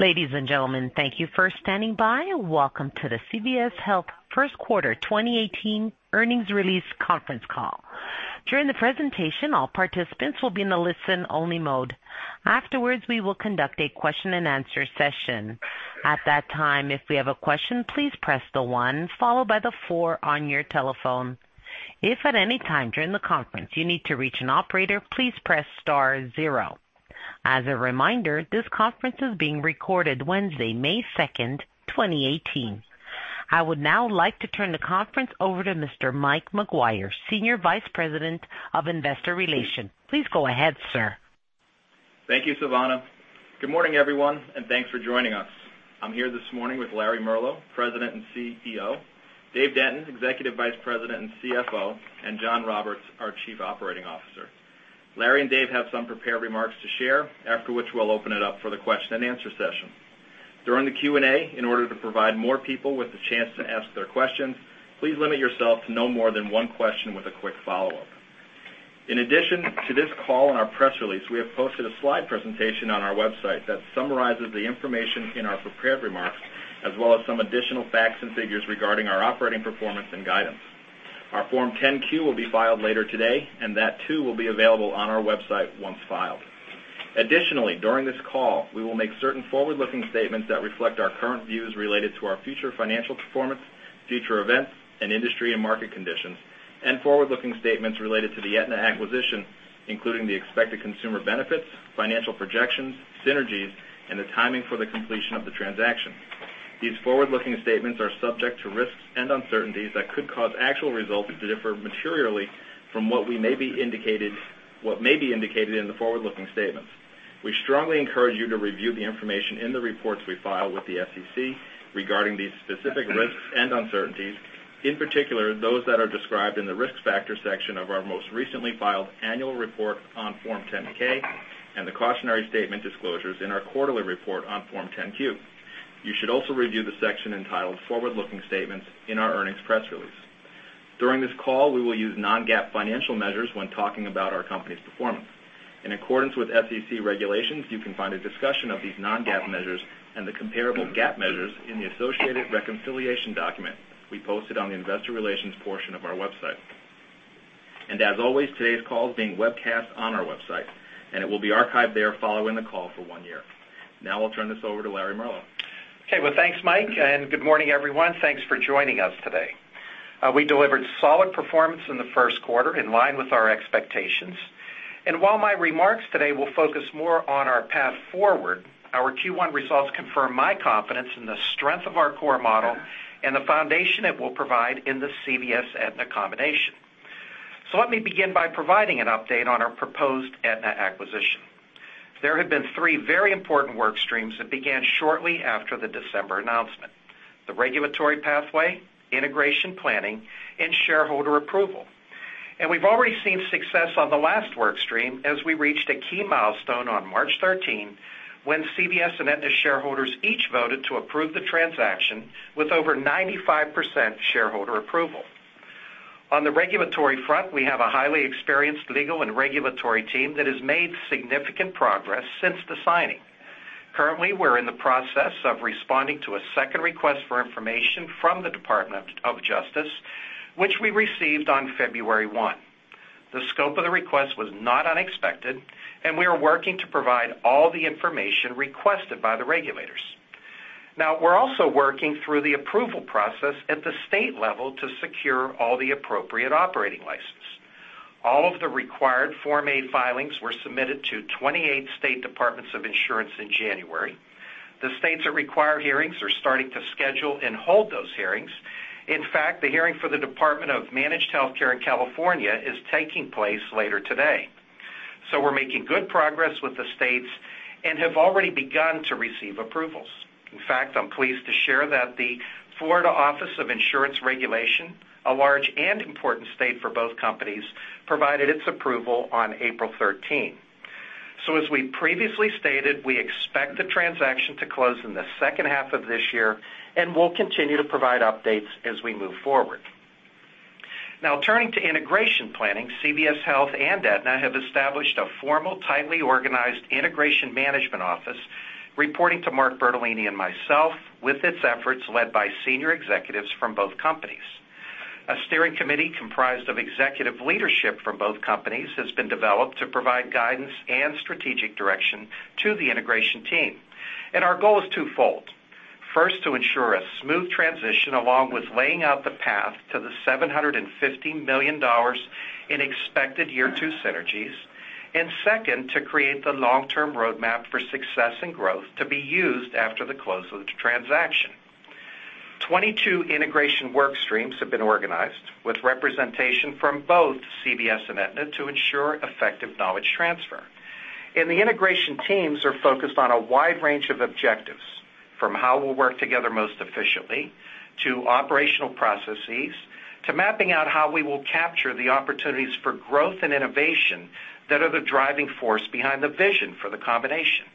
Ladies and gentlemen, thank you for standing by. Welcome to the CVS Health First Quarter 2018 Earnings Release Conference Call. During the presentation, all participants will be in the listen only mode. Afterwards, we will conduct a question and answer session. At that time, if we have a question, please press the one followed by the four on your telephone. If at any time during the conference you need to reach an operator, please press star zero. As a reminder, this conference is being recorded Wednesday, May 2nd, 2018. I would now like to turn the conference over to Mr. Michael McGuire, Senior Vice President of Investor Relations. Please go ahead, sir. Thank you, Savannah. Good morning, everyone, and thanks for joining us. I'm here this morning with Larry Merlo, President and CEO, Dave Denton, Executive Vice President and CFO, and John Roberts, our Chief Operating Officer. Larry and Dave have some prepared remarks to share, after which we'll open it up for the question and answer session. During the Q&A, in order to provide more people with the chance to ask their questions, please limit yourself to no more than one question with a quick follow-up. In addition to this call and our press release, we have posted a slide presentation on our website that summarizes the information in our prepared remarks, as well as some additional facts and figures regarding our operating performance and guidance. Our Form 10-Q will be filed later today, and that too will be available on our website once filed. During this call, we will make certain forward-looking statements that reflect our current views related to our future financial performance, future events, and industry and market conditions, and forward-looking statements related to the Aetna acquisition, including the expected consumer benefits, financial projections, synergies, and the timing for the completion of the transaction. These forward-looking statements are subject to risks and uncertainties that could cause actual results to differ materially from what may be indicated in the forward-looking statements. We strongly encourage you to review the information in the reports we file with the SEC regarding these specific risks and uncertainties. In particular, those that are described in the Risk Factor section of our most recently filed annual report on Form 10-K and the cautionary statement disclosures in our quarterly report on Form 10-Q. You should also review the section entitled Forward-Looking Statements in our earnings press release. During this call, we will use non-GAAP financial measures when talking about our company's performance. In accordance with SEC regulations, you can find a discussion of these non-GAAP measures and the comparable GAAP measures in the associated reconciliation document we posted on the investor relations portion of our website. As always, today's call is being webcast on our website, and it will be archived there following the call for one year. Now, I'll turn this over to Larry Merlo. Okay. Well, thanks, Mike, and good morning, everyone. Thanks for joining us today. We delivered solid performance in the first quarter in line with our expectations. While my remarks today will focus more on our path forward, our Q1 results confirm my confidence in the strength of our core model and the foundation it will provide in the CVS-Aetna combination. Let me begin by providing an update on our proposed Aetna acquisition. There have been three very important work streams that began shortly after the December announcement: the regulatory pathway, integration planning, and shareholder approval. We've already seen success on the last work stream as we reached a key milestone on March 13 when CVS and Aetna shareholders each voted to approve the transaction with over 95% shareholder approval. On the regulatory front, we have a highly experienced legal and regulatory team that has made significant progress since the signing. Currently, we're in the process of responding to a second request for information from the Department of Justice, which we received on February 1. The scope of the request was not unexpected, and we are working to provide all the information requested by the regulators. We're also working through the approval process at the state level to secure all the appropriate operating license. All of the required Form A filings were submitted to 28 state departments of insurance in January. The states that require hearings are starting to schedule and hold those hearings. In fact, the hearing for the Department of Managed Health Care in California is taking place later today. We're making good progress with the states and have already begun to receive approvals. In fact, I'm pleased to share that the Florida Office of Insurance Regulation, a large and important state for both companies, provided its approval on April 13. As we previously stated, we expect the transaction to close in the second half of this year, and we'll continue to provide updates as we move forward. Turning to integration planning, CVS Health and Aetna have established a formal, tightly organized integration management office reporting to Mark Bertolini and myself with its efforts led by senior executives from both companies. A steering committee comprised of executive leadership from both companies has been developed to provide guidance and strategic direction to the integration team. Our goal is twofold. First, to ensure a smooth transition, along with laying out the path to the $750 million in expected year two synergies. Second, to create the long-term roadmap for success and growth to be used after the close of the transaction. 22 integration work streams have been organized with representation from both CVS and Aetna to ensure effective knowledge transfer. The integration teams are focused on a wide range of objectives, from how we'll work together most efficiently to operational processes, to mapping out how we will capture the opportunities for growth and innovation that are the driving force behind the vision for the combination.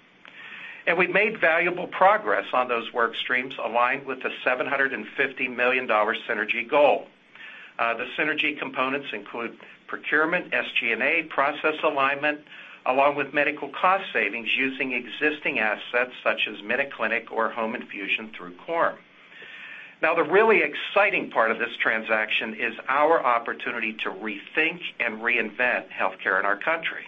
We've made valuable progress on those work streams aligned with the $750 million synergy goal. The synergy components include procurement, SG&A process alignment, along with medical cost savings using existing assets such as MinuteClinic or home infusion through Coram. The really exciting part of this transaction is our opportunity to rethink and reinvent healthcare in our country.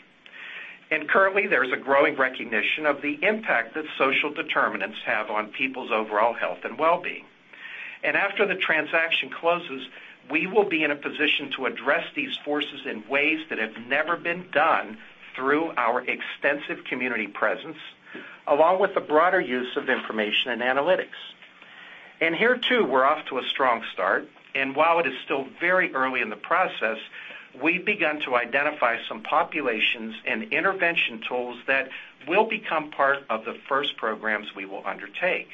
Currently, there's a growing recognition of the impact that social determinants have on people's overall health and wellbeing. After the transaction closes, we will be in a position to address these forces in ways that have never been done through our extensive community presence, along with the broader use of information and analytics. Here too, we're off to a strong start, while it is still very early in the process, we've begun to identify some populations and intervention tools that will become part of the first programs we will undertake.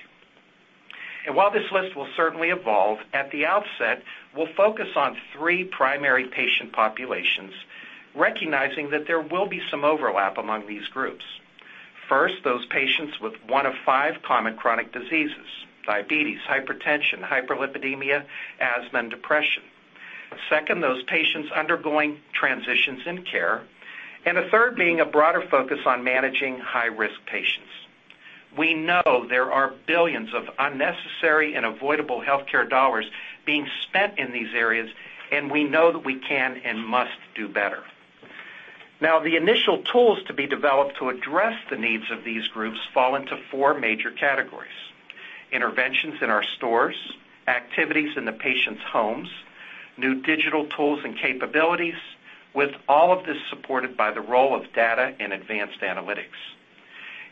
While this list will certainly evolve, at the outset, we'll focus on three primary patient populations, recognizing that there will be some overlap among these groups. First, those patients with one of five common chronic diseases, diabetes, hypertension, hyperlipidemia, asthma, and depression. Second, those patients undergoing transitions in care, the third being a broader focus on managing high-risk patients. We know there are billions of unnecessary and avoidable healthcare dollars being spent in these areas, we know that we can and must do better. The initial tools to be developed to address the needs of these groups fall into 4 major categories, interventions in our stores, activities in the patients' homes, new digital tools and capabilities. With all of this supported by the role of data and advanced analytics.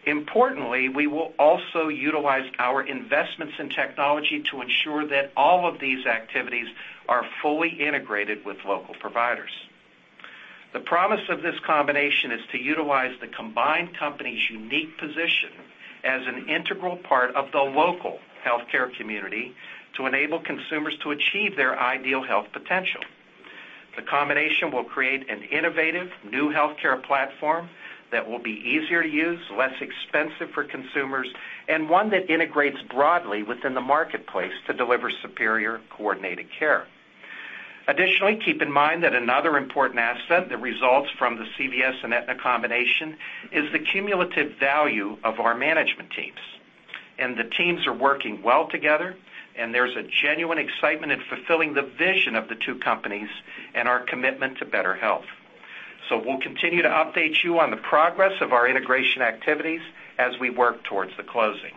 Importantly, we will also utilize our investments in technology to ensure that all of these activities are fully integrated with local providers. The promise of this combination is to utilize the combined company's unique position as an integral part of the local healthcare community to enable consumers to achieve their ideal health potential. The combination will create an innovative new healthcare platform that will be easier to use, less expensive for consumers, and one that integrates broadly within the marketplace to deliver superior coordinated care. Additionally, keep in mind that another important asset that results from the CVS and Aetna combination is the cumulative value of our management teams. The teams are working well together, there's a genuine excitement in fulfilling the vision of the two companies and our commitment to better health. We'll continue to update you on the progress of our integration activities as we work towards the closing.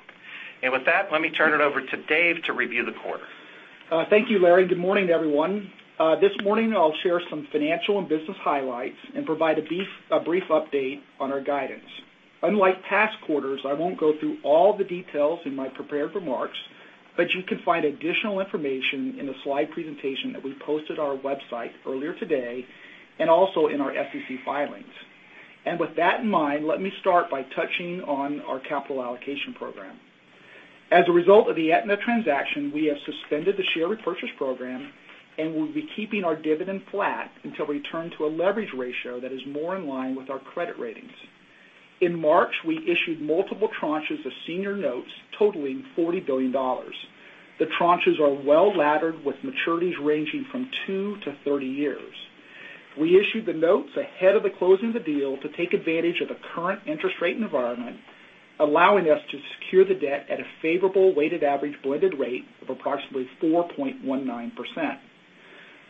With that, let me turn it over to Dave to review the quarter. Thank you, Larry. Good morning to everyone. This morning, I'll share some financial and business highlights and provide a brief update on our guidance. Unlike past quarters, I won't go through all the details in my prepared remarks, you can find additional information in the slide presentation that we posted on our website earlier today and also in our SEC filings. With that in mind, let me start by touching on our capital allocation program. As a result of the Aetna transaction, we have suspended the share repurchase program and will be keeping our dividend flat until we return to a leverage ratio that is more in line with our credit ratings. In March, we issued multiple tranches of senior notes totaling $40 billion. The tranches are well-laddered with maturities ranging from two to 30 years. We issued the notes ahead of the closing of the deal to take advantage of the current interest rate environment, allowing us to secure the debt at a favorable weighted average blended rate of approximately 4.19%.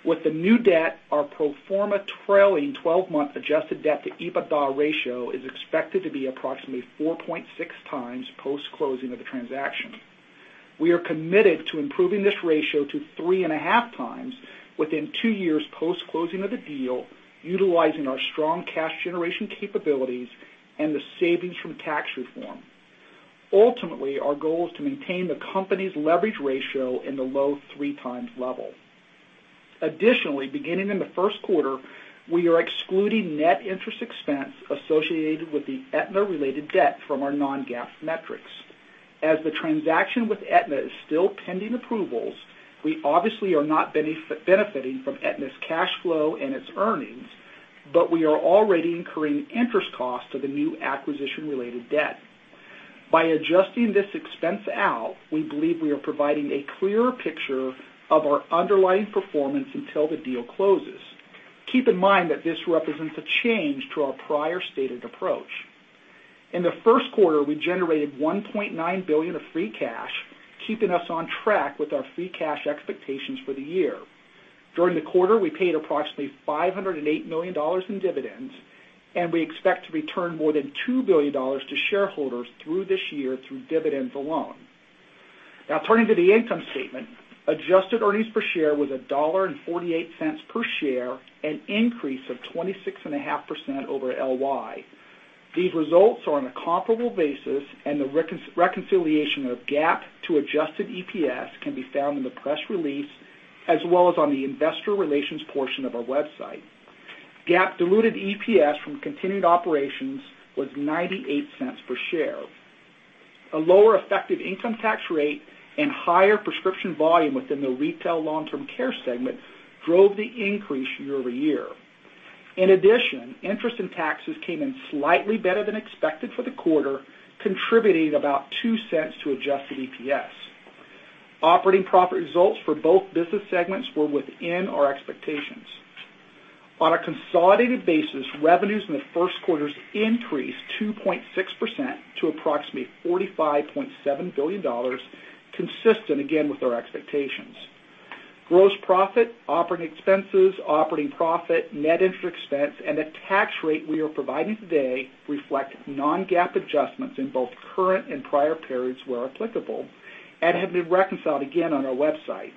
With the new debt, our pro forma trailing 12-month adjusted debt to EBITDA ratio is expected to be approximately 4.6 times post-closing of the transaction. We are committed to improving this ratio to three and a half times within two years post-closing of the deal, utilizing our strong cash generation capabilities and the savings from tax reform. Ultimately, our goal is to maintain the company's leverage ratio in the low three times level. Additionally, beginning in the first quarter, we are excluding net interest expense associated with the Aetna-related debt from our non-GAAP metrics. The transaction with Aetna is still pending approvals, we obviously are not benefiting from Aetna's cash flow and its earnings, but we are already incurring interest costs of the new acquisition-related debt. By adjusting this expense out, we believe we are providing a clearer picture of our underlying performance until the deal closes. Keep in mind that this represents a change to our prior stated approach. In the first quarter, we generated $1.9 billion of free cash, keeping us on track with our free cash expectations for the year. During the quarter, we paid approximately $508 million in dividends, and we expect to return more than $2 billion to shareholders through this year through dividends alone. Now turning to the income statement, adjusted earnings per share was $1.48 per share, an increase of 26.5% over LY. These results are on a comparable basis, the reconciliation of GAAP to adjusted EPS can be found in the press release, as well as on the investor relations portion of our website. GAAP diluted EPS from continued operations was $0.98 per share. A lower effective income tax rate and higher prescription volume within the retail long-term care segment drove the increase year-over-year. In addition, interest and taxes came in slightly better than expected for the quarter, contributing about $0.02 to adjusted EPS. Operating profit results for both business segments were within our expectations. On a consolidated basis, revenues in the first quarter increased 2.6% to approximately $45.7 billion, consistent again with our expectations. Gross profit, operating expenses, operating profit, net interest expense and the tax rate we are providing today reflect non-GAAP adjustments in both current and prior periods where applicable, and have been reconciled again on our website.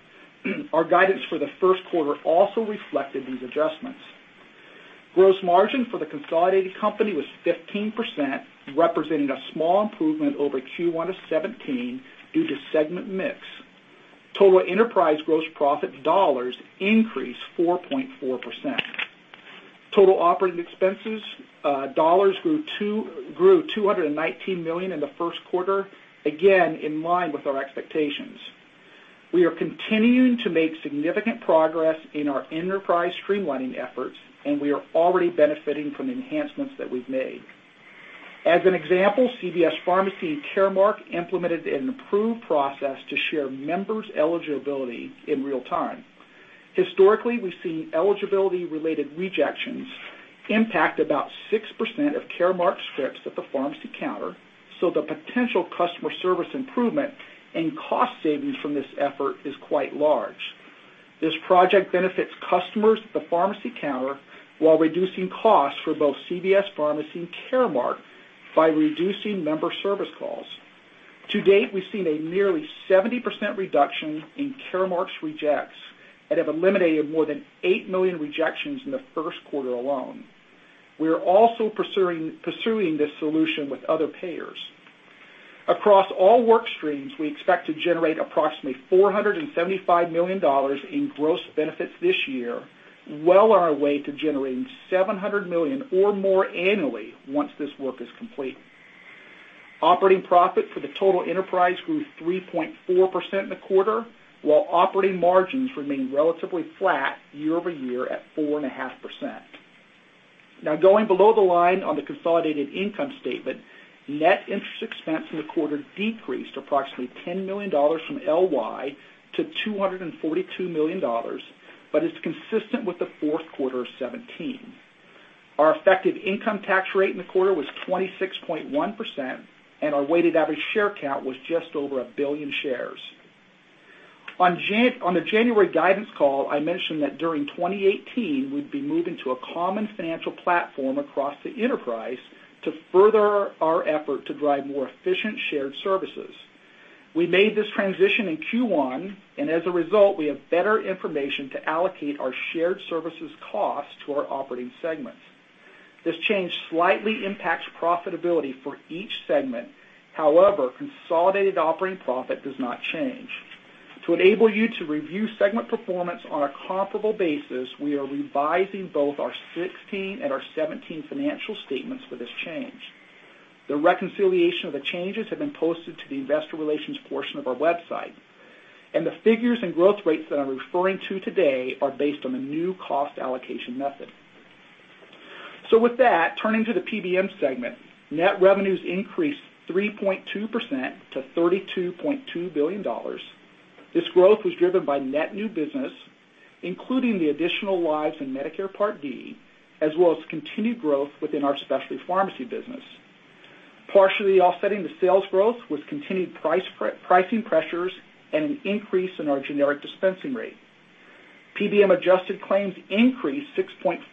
Our guidance for the first quarter also reflected these adjustments. Gross margin for the consolidated company was 15%, representing a small improvement over Q1 2017 due to segment mix. Total enterprise gross profit dollars increased 4.4%. Total operating expenses dollars grew $219 million in the first quarter, again, in line with our expectations. We are continuing to make significant progress in our enterprise streamlining efforts, and we are already benefiting from the enhancements that we've made. As an example, CVS Pharmacy and Caremark implemented an improved process to share members' eligibility in real time. Historically, we've seen eligibility-related rejections impact about 6% of Caremark scripts at the pharmacy counter, the potential customer service improvement and cost savings from this effort is quite large. This project benefits customers at the pharmacy counter while reducing costs for both CVS Pharmacy and Caremark by reducing member service calls. To date, we've seen a nearly 70% reduction in Caremark's rejects and have eliminated more than 8 million rejections in the first quarter alone. We are also pursuing this solution with other payers. Across all work streams, we expect to generate approximately $475 million in gross benefits this year, well on our way to generating $700 million or more annually once this work is complete. Operating profit for the total enterprise grew 3.4% in the quarter, while operating margins remained relatively flat year-over-year at 4.5%. Going below the line on the consolidated income statement, net interest expense in the quarter decreased approximately $10 million from LY to $242 million, is consistent with the fourth quarter of 2017. Our effective income tax rate in the quarter was 26.1%, our weighted average share count was just over a billion shares. On the January guidance call, I mentioned that during 2018, we'd be moving to a common financial platform across the enterprise to further our effort to drive more efficient shared services. We made this transition in Q1, as a result, we have better information to allocate our shared services cost to our operating segments. This change slightly impacts profitability for each segment. Consolidated operating profit does not change. To enable you to review segment performance on a comparable basis, we are revising both our 2016 and our 2017 financial statements for this change. The reconciliation of the changes have been posted to the investor relations portion of our website, the figures and growth rates that I'm referring to today are based on the new cost allocation method. With that, turning to the PBM segment. Net revenues increased 3.2% to $32.2 billion. This growth was driven by net new business, including the additional lives in Medicare Part D, as well as continued growth within our specialty pharmacy business. Partially offsetting the sales growth was continued pricing pressures and an increase in our generic dispensing rate. PBM adjusted claims increased 6.4%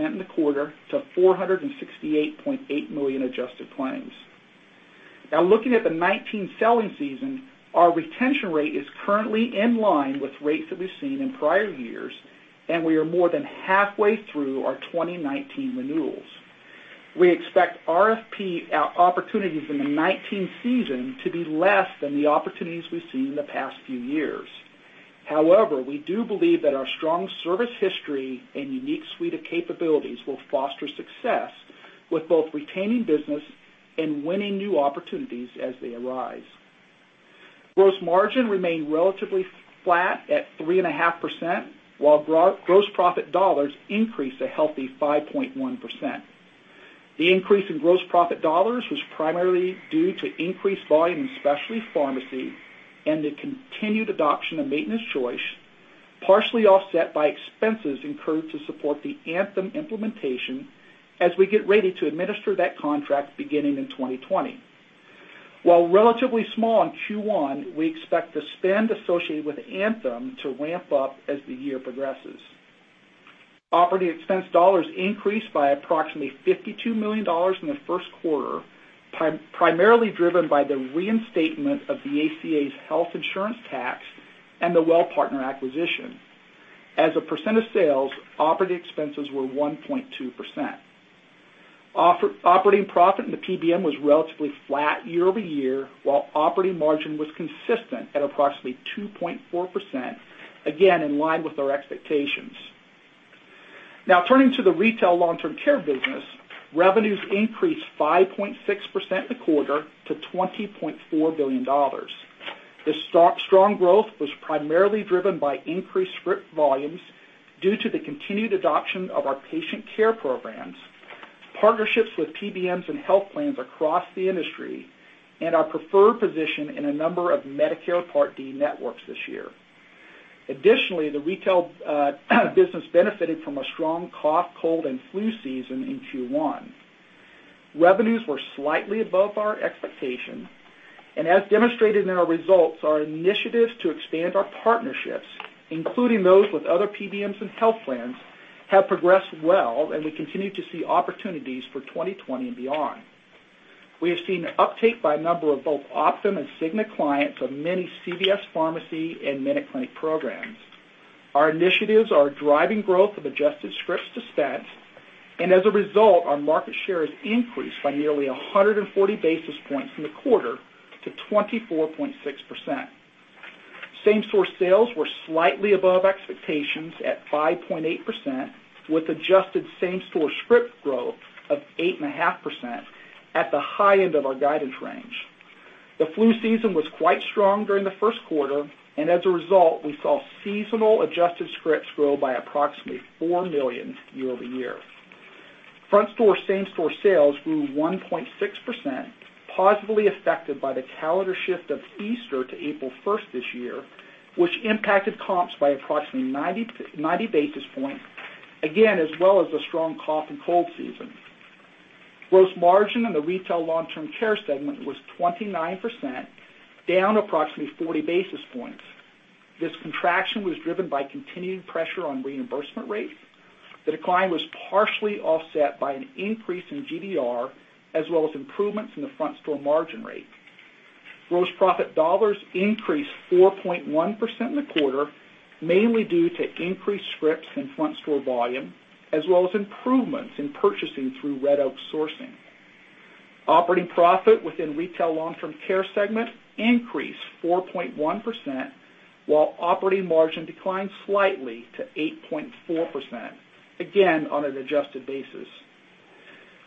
in the quarter to 468.8 million adjusted claims. Looking at the 2019 selling season, our retention rate is currently in line with rates that we've seen in prior years, we are more than halfway through our 2019 renewals. We expect RFP opportunities in the 2019 season to be less than the opportunities we've seen in the past few years. We do believe that our strong service history and unique suite of capabilities will foster success with both retaining business and winning new opportunities as they arise. Gross margin remained relatively flat at 3.5%, while gross profit dollars increased a healthy 5.1%. The increase in gross profit dollars was primarily due to increased volume in specialty pharmacy and the continued adoption of Maintenance Choice, partially offset by expenses incurred to support the Anthem implementation as we get ready to administer that contract beginning in 2020. While relatively small in Q1, we expect the spend associated with Anthem to ramp up as the year progresses. Operating expense dollars increased by approximately $52 million in the first quarter, primarily driven by the reinstatement of the ACA's health insurance tax and the Wellpartner acquisition. As a percent of sales, operating expenses were 1.2%. Operating profit in the PBM was relatively flat year-over-year, while operating margin was consistent at approximately 2.4%, again, in line with our expectations. Turning to the retail long-term care business, revenues increased 5.6% in the quarter to $20.4 billion. The strong growth was primarily driven by increased script volumes due to the continued adoption of our patient care programs, partnerships with PBMs and health plans across the industry, and our preferred position in a number of Medicare Part D networks this year. Additionally, the retail business benefited from a strong cough, cold, and flu season in Q1. Revenues were slightly above our expectation. As demonstrated in our results, our initiatives to expand our partnerships, including those with other PBMs and health plans, have progressed well, and we continue to see opportunities for 2020 and beyond. We have seen uptake by a number of both Optum and Cigna clients of many CVS Pharmacy and MinuteClinic programs. Our initiatives are driving growth of adjusted scripts to spends, and as a result, our market share has increased by nearly 140 basis points in the quarter to 24.6%. Same-store sales were slightly above expectations at 5.8%, with adjusted same-store script growth of 8.5% at the high end of our guidance range. The flu season was quite strong during the first quarter, and as a result, we saw seasonal adjusted scripts grow by approximately 4 million year-over-year. Front store same-store sales grew 1.6%, positively affected by the calendar shift of Easter to April 1st this year, which impacted comps by approximately 90 basis points, as well as the strong cough and cold season. Gross margin in the retail long-term care segment was 29%, down approximately 40 basis points. This contraction was driven by continuing pressure on reimbursement rates. The decline was partially offset by an increase in GDR, as well as improvements in the front store margin rate. Gross profit dollars increased 4.1% in the quarter, mainly due to increased scripts and front store volume, as well as improvements in purchasing through Red Oak Sourcing. Operating profit within retail long-term care segment increased 4.1%, while operating margin declined slightly to 8.4%, again, on an adjusted basis.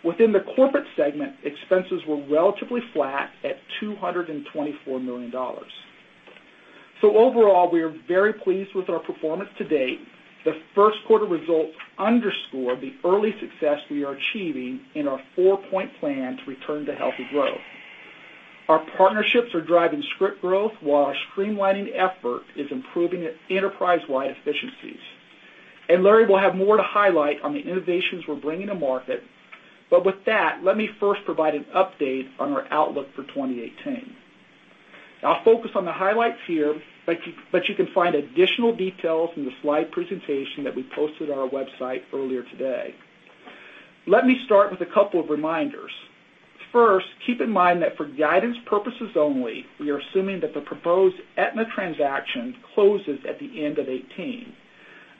Within the corporate segment, expenses were relatively flat at $224 million. Overall, we are very pleased with our performance to date. The first quarter results underscore the early success we are achieving in our four-point plan to return to healthy growth. Our partnerships are driving script growth, while our streamlining effort is improving enterprise-wide efficiencies. Larry will have more to highlight on the innovations we're bringing to market. With that, let me first provide an update on our outlook for 2018. I'll focus on the highlights here, but you can find additional details in the slide presentation that we posted on our website earlier today. Let me start with a couple of reminders. First, keep in mind that for guidance purposes only, we are assuming that the proposed Aetna transaction closes at the end of 2018.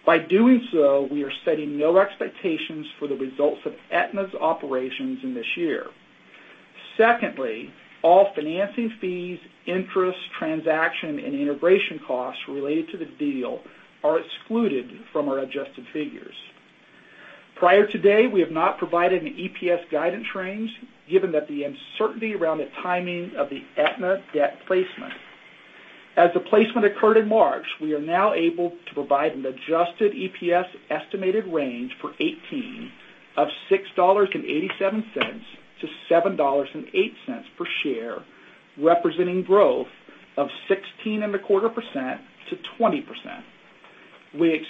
By doing so, we are setting no expectations for the results of Aetna's operations in this year. Secondly, all financing fees, interest, transaction, and integration costs related to the deal are excluded from our adjusted figures. Prior to today, we have not provided an EPS guidance range, given that the uncertainty around the timing of the Aetna debt placement. As the placement occurred in March, we are now able to provide an adjusted EPS estimated range for 2018 of $6.87-$7.08 per share, representing growth of 16.25%-20%. We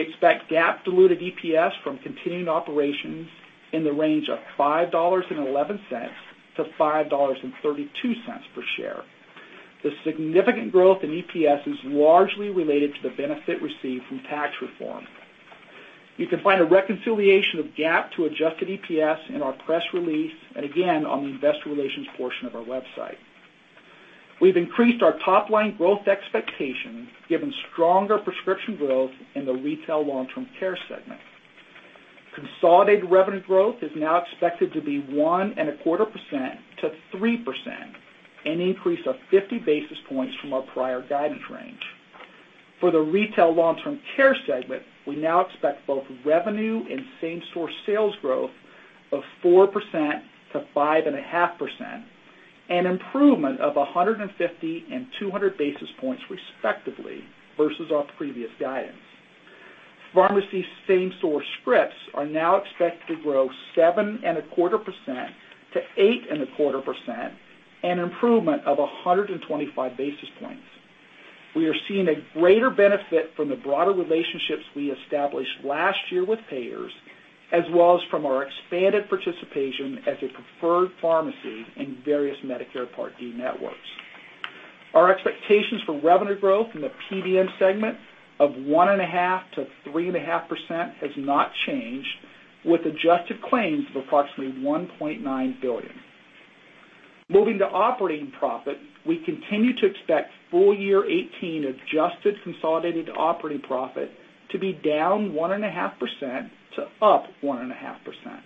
expect GAAP diluted EPS from continuing operations in the range of $5.11-$5.32 per share. The significant growth in EPS is largely related to the benefit received from tax reform. You can find a reconciliation of GAAP to adjusted EPS in our press release, and again, on the investor relations portion of our website. We've increased our top-line growth expectations, given stronger prescription growth in the Retail Long-Term Care segment. Consolidated revenue growth is now expected to be 1.25%-3%, an increase of 50 basis points from our prior guidance range. For the Retail Long-Term Care segment, we now expect both revenue and same-store sales growth of 4%-5.5%, an improvement of 150 and 200 basis points, respectively, versus our previous guidance. Pharmacy same-store scripts are now expected to grow 7.25%-8.25%, an improvement of 125 basis points. We are seeing a greater benefit from the broader relationships we established last year with payers, as well as from our expanded participation as a preferred pharmacy in various Medicare Part D networks. Our expectations for revenue growth in the PBM segment of 1.5%-3.5% has not changed, with adjusted claims of approximately $1.9 billion. Moving to operating profit, we continue to expect full year 2018 adjusted consolidated operating profit to be down -1.5% to up +1.5%.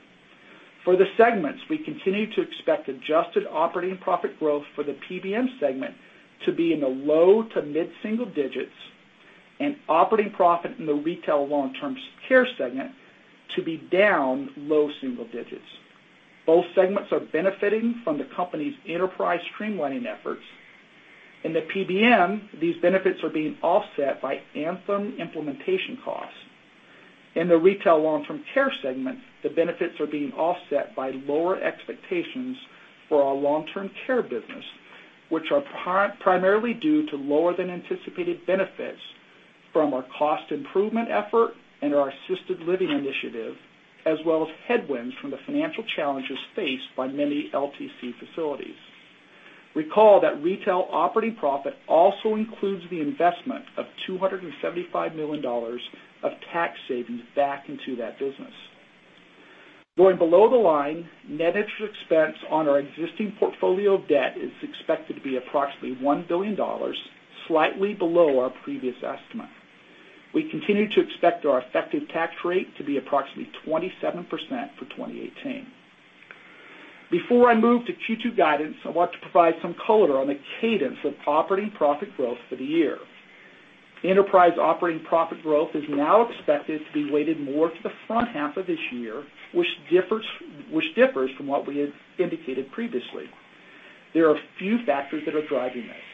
For the segments, we continue to expect adjusted operating profit growth for the PBM segment to be in the low to mid-single digits. Operating profit in the Retail Long-Term Care segment to be down low single digits. Both segments are benefiting from the company's enterprise streamlining efforts. In the PBM, these benefits are being offset by Anthem implementation costs. In the Retail Long-Term Care segment, the benefits are being offset by lower expectations for our long-term care business, which are primarily due to lower than anticipated benefits from our cost improvement effort and our assisted living initiative, as well as headwinds from the financial challenges faced by many LTC facilities. Recall that retail operating profit also includes the investment of $275 million of tax savings back into that business. Going below the line, net interest expense on our existing portfolio of debt is expected to be approximately $1 billion, slightly below our previous estimate. We continue to expect our effective tax rate to be approximately 27% for 2018. Before I move to Q2 guidance, I want to provide some color on the cadence of operating profit growth for the year. Enterprise operating profit growth is now expected to be weighted more to the front half of this year, which differs from what we had indicated previously. There are a few factors that are driving this.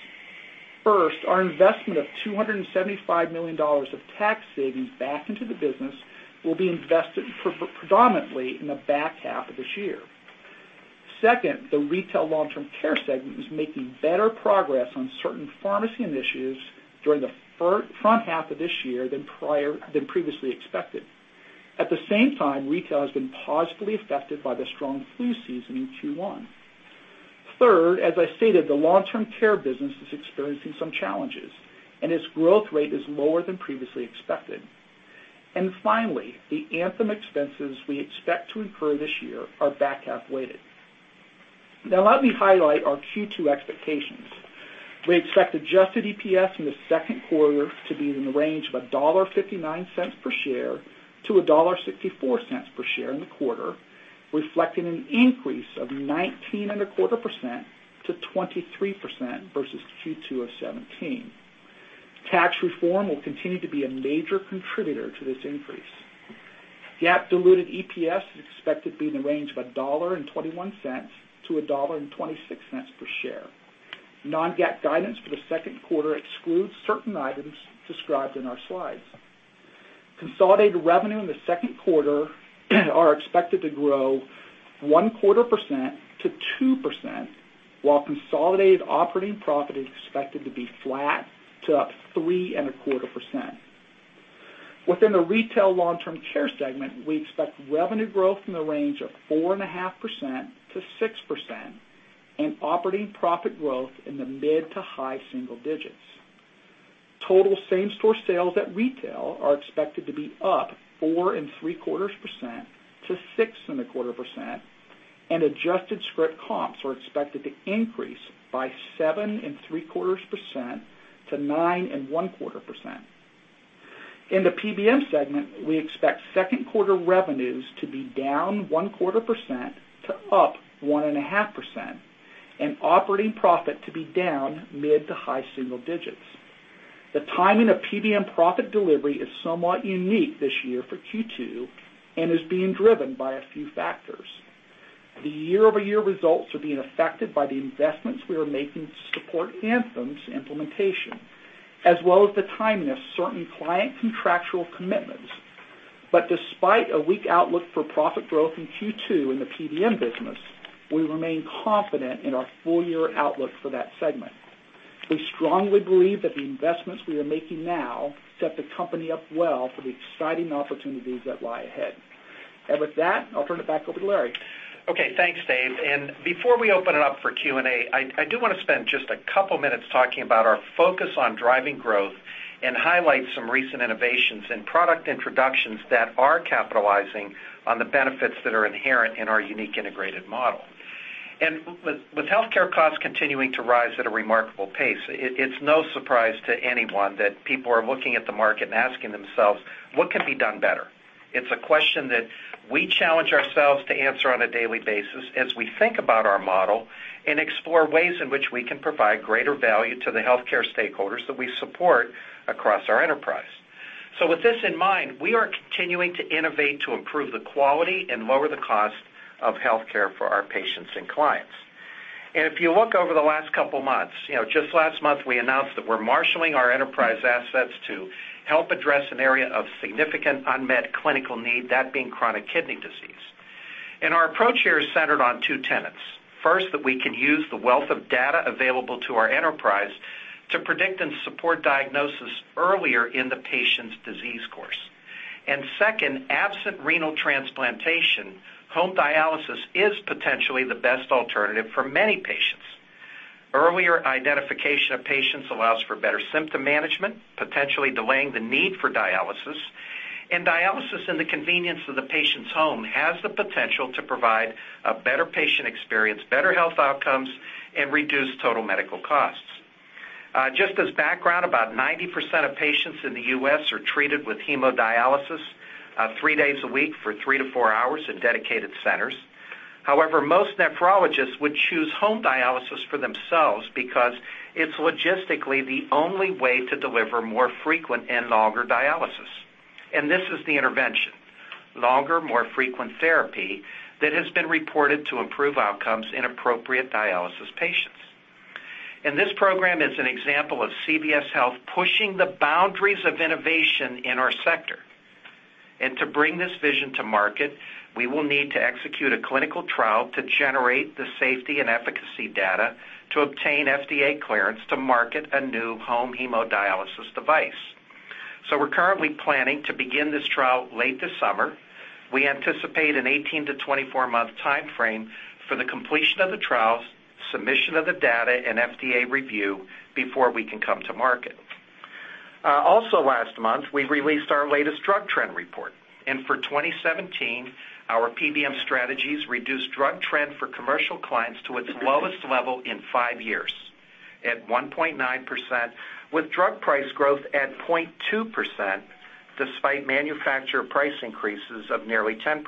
First, our investment of $275 million of tax savings back into the business will be invested predominantly in the back half of this year. Second, the Retail Long-Term Care segment is making better progress on certain pharmacy initiatives during the front half of this year than previously expected. At the same time, Retail has been positively affected by the strong flu season in Q1. Third, as I stated, the long-term care business is experiencing some challenges, and its growth rate is lower than previously expected. Finally, the Anthem expenses we expect to incur this year are back-half weighted. Allow me to highlight our Q2 expectations. We expect adjusted EPS in the second quarter to be in the range of $1.59 per share to $1.64 per share in the quarter, reflecting an increase of 19.25%-23% versus Q2 of 2017. Tax reform will continue to be a major contributor to this increase. GAAP diluted EPS is expected to be in the range of $1.21-$1.26 per share. Non-GAAP guidance for the second quarter excludes certain items described in our slides. Consolidated revenue in the second quarter are expected to grow 1.25%-2%, while consolidated operating profit is expected to be flat to up 3.25%. Within the Retail Long-Term Care segment, we expect revenue growth in the range of 4.5%-6%, and operating profit growth in the mid to high single digits. Total same-store sales at retail are expected to be up 4.75%-6.25%, and adjusted script comps are expected to increase by 7.75%-9.25%. In the PBM segment, we expect second quarter revenues to be down 1.25% to up 1.5%, and operating profit to be down mid to high single digits. The timing of PBM profit delivery is somewhat unique this year for Q2 and is being driven by a few factors. The year-over-year results are being affected by the investments we are making to support Anthem's implementation, as well as the timing of certain client contractual commitments. Despite a weak outlook for profit growth in Q2 in the PBM business, we remain confident in our full-year outlook for that segment. We strongly believe that the investments we are making now set the company up well for the exciting opportunities that lie ahead. With that, I'll turn it back over to Larry. Okay. Thanks, Dave. Before we open it up for Q&A, I do want to spend just a couple minutes talking about our focus on driving growth and highlight some recent innovations and product introductions that are capitalizing on the benefits that are inherent in our unique integrated model. With healthcare costs continuing to rise at a remarkable pace, it's no surprise to anyone that people are looking at the market and asking themselves, "What can be done better?" It's a question that we challenge ourselves to answer on a daily basis as we think about our model and explore ways in which we can provide greater value to the healthcare stakeholders that we support across our enterprise. With this in mind, we are continuing to innovate to improve the quality and lower the cost of healthcare for our patients and clients. If you look over the last couple months, just last month, we announced that we're marshaling our enterprise assets to help address an area of significant unmet clinical need, that being chronic kidney disease. Our approach here is centered on two tenets. First, that we can use the wealth of data available to our enterprise to predict and support diagnosis earlier in the patient's disease course. Second, absent renal transplantation, home dialysis is potentially the best alternative for many patients. Earlier identification of patients allows for better symptom management, potentially delaying the need for dialysis, and dialysis in the convenience of the patient's home has the potential to provide a better patient experience, better health outcomes, and reduce total medical costs. Just as background, about 90% of patients in the U.S. are treated with hemodialysis, three days a week for three to four hours in dedicated centers. However, most nephrologists would choose home dialysis for themselves because it's logistically the only way to deliver more frequent and longer dialysis. This is the intervention, longer, more frequent therapy that has been reported to improve outcomes in appropriate dialysis patients. This program is an example of CVS Health pushing the boundaries of innovation in our sector. To bring this vision to market, we will need to execute a clinical trial to generate the safety and efficacy data to obtain FDA clearance to market a new home hemodialysis device. We're currently planning to begin this trial late this summer. We anticipate an 18 to 24-month timeframe for the completion of the trials, submission of the data, and FDA review before we can come to market. Also last month, we released our latest drug trend report. For 2017, our PBM strategies reduced drug trend for commercial clients to its lowest level in five years, at 1.9%, with drug price growth at 0.2%, despite manufacturer price increases of nearly 10%.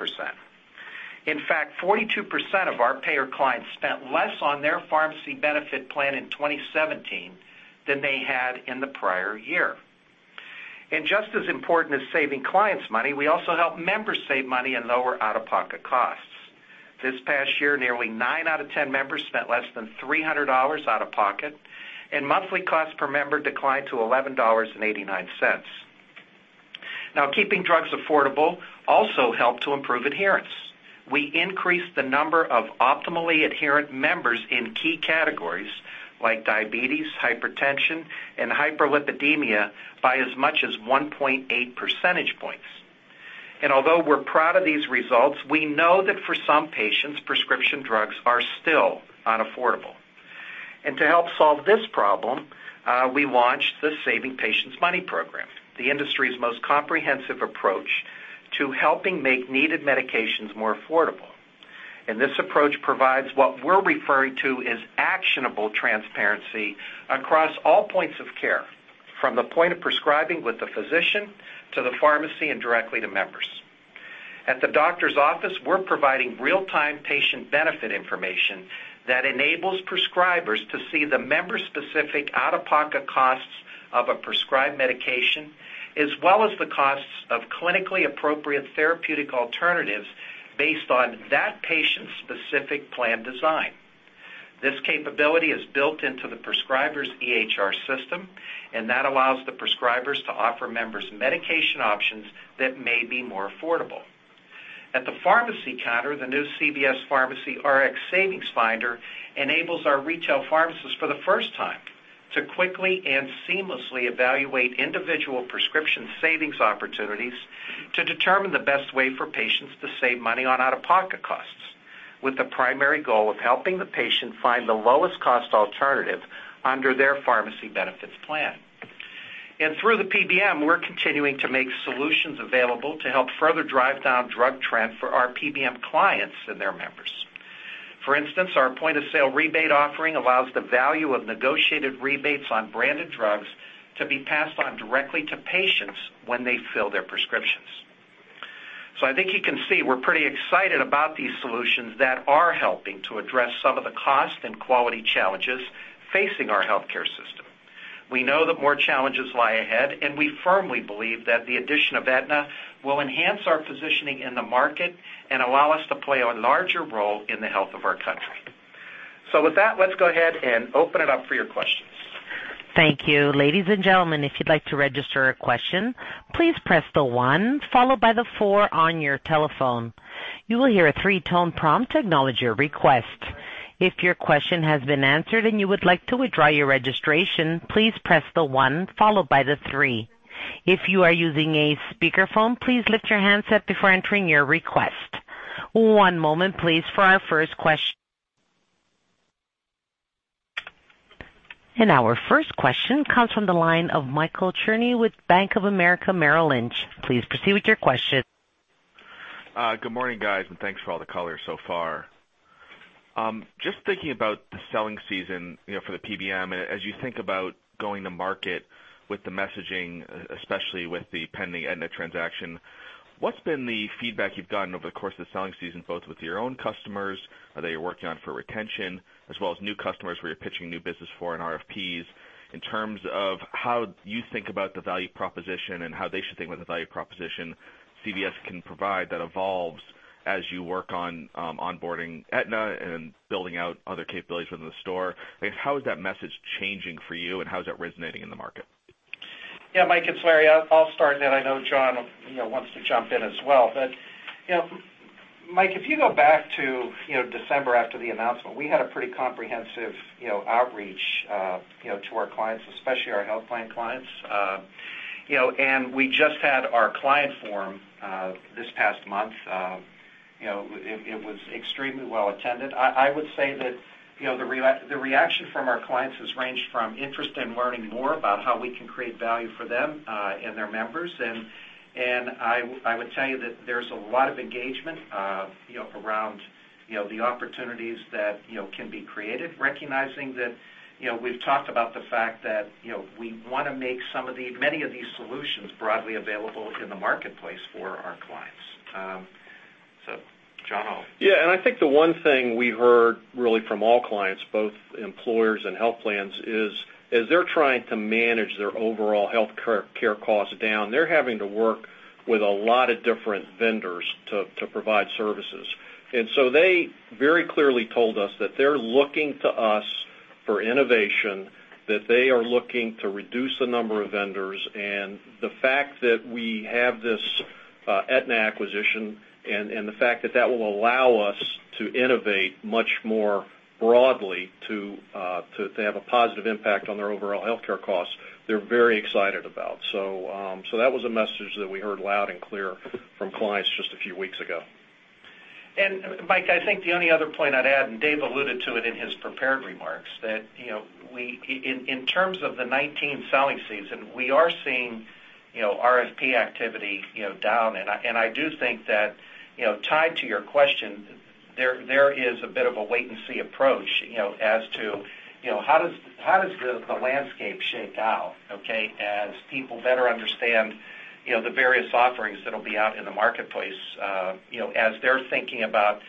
In fact, 42% of our payer clients spent less on their pharmacy benefit plan in 2017 than they had in the prior year. Just as important as saving clients money, we also help members save money and lower out-of-pocket costs. This past year, nearly nine out of 10 members spent less than $300 out of pocket, and monthly costs per member declined to $11.89. Keeping drugs affordable also helped to improve adherence. We increased the number of optimally adherent members in key categories like diabetes, hypertension, and hyperlipidemia by as much as 1.8 percentage points. Although we're proud of these results, we know that for some patients, prescription drugs are still unaffordable. To help solve this problem, we launched the Saving Patients Money program, the industry's most comprehensive approach to helping make needed medications more affordable. This approach provides what we're referring to as actionable transparency across all points of care, from the point of prescribing with the physician, to the pharmacy, and directly to members. At the doctor's office, we're providing real-time patient benefit information that enables prescribers to see the member-specific out-of-pocket costs of a prescribed medication, as well as the costs of clinically appropriate therapeutic alternatives based on that patient's specific plan design. This capability is built into the prescriber's EHR system, and that allows the prescribers to offer members medication options that may be more affordable. At the pharmacy counter, the new CVS Pharmacy Rx Savings Finder enables our retail pharmacists for the first time to quickly and seamlessly evaluate individual prescription savings opportunities to determine the best way for patients to save money on out-of-pocket costs, with the primary goal of helping the patient find the lowest cost alternative under their pharmacy benefits plan. Through the PBM, we're continuing to make solutions available to help further drive down drug trend for our PBM clients and their members. For instance, our point-of-sale rebate offering allows the value of negotiated rebates on branded drugs to be passed on directly to patients when they fill their prescriptions. I think you can see we're pretty excited about these solutions that are helping to address some of the cost and quality challenges facing our healthcare system. We know that more challenges lie ahead, and we firmly believe that the addition of Aetna will enhance our positioning in the market and allow us to play a larger role in the health of our country. With that, let's go ahead and open it up for your questions. Thank you. Ladies and gentlemen, if you'd like to register a question, please press the one followed by the four on your telephone. You will hear a three-tone prompt to acknowledge your request. If your question has been answered and you would like to withdraw your registration, please press the one followed by the three. If you are using a speakerphone, please lift your handset before entering your request. One moment please for our first question. Our first question comes from the line of Michael Cherny with Bank of America Merrill Lynch. Please proceed with your question. Good morning, guys, and thanks for all the color so far. Just thinking about the selling season for the PBM, as you think about going to market with the messaging, especially with the pending Aetna transaction, what's been the feedback you've gotten over the course of the selling season, both with your own customers that you're working on for retention, as well as new customers where you're pitching new business for and RFPs, in terms of how you think about the value proposition and how they should think about the value proposition CVS can provide that evolves as you work on onboarding Aetna and building out other capabilities within the store? How is that message changing for you, and how is that resonating in the market? Yeah, Mike, it's Larry. I'll start, and then I know John wants to jump in as well. Mike, if you go back to December after the announcement, we had a pretty comprehensive outreach to our clients, especially our health plan clients. We just had our client forum this past month. It was extremely well attended. I would say that the reaction from our clients has ranged from interest in learning more about how we can create value for them and their members, and I would tell you that there's a lot of engagement around the opportunities that can be created, recognizing that we've talked about the fact that we want to make many of these solutions broadly available in the marketplace for our clients. John. Yeah, I think the one thing we heard really from all clients, both employers and health plans is, as they're trying to manage their overall health care costs down, they're having to work with a lot of different vendors to provide services. They very clearly told us that they're looking to us for innovation, that they are looking to reduce the number of vendors, and the fact that we have this Aetna acquisition and the fact that that will allow us to innovate much more broadly to have a positive impact on their overall health care costs, they're very excited about. That was a message that we heard loud and clear from clients just a few weeks ago. Mike, I think the only other point I'd add, and Dave alluded to it in his prepared remarks, that in terms of the 2019 selling season, we are seeing RFP activity down. I do think that, tied to your question, there is a bit of a wait-and-see approach as to how does the landscape shake out, okay, as people better understand the various offerings that'll be out in the marketplace, as they're thinking about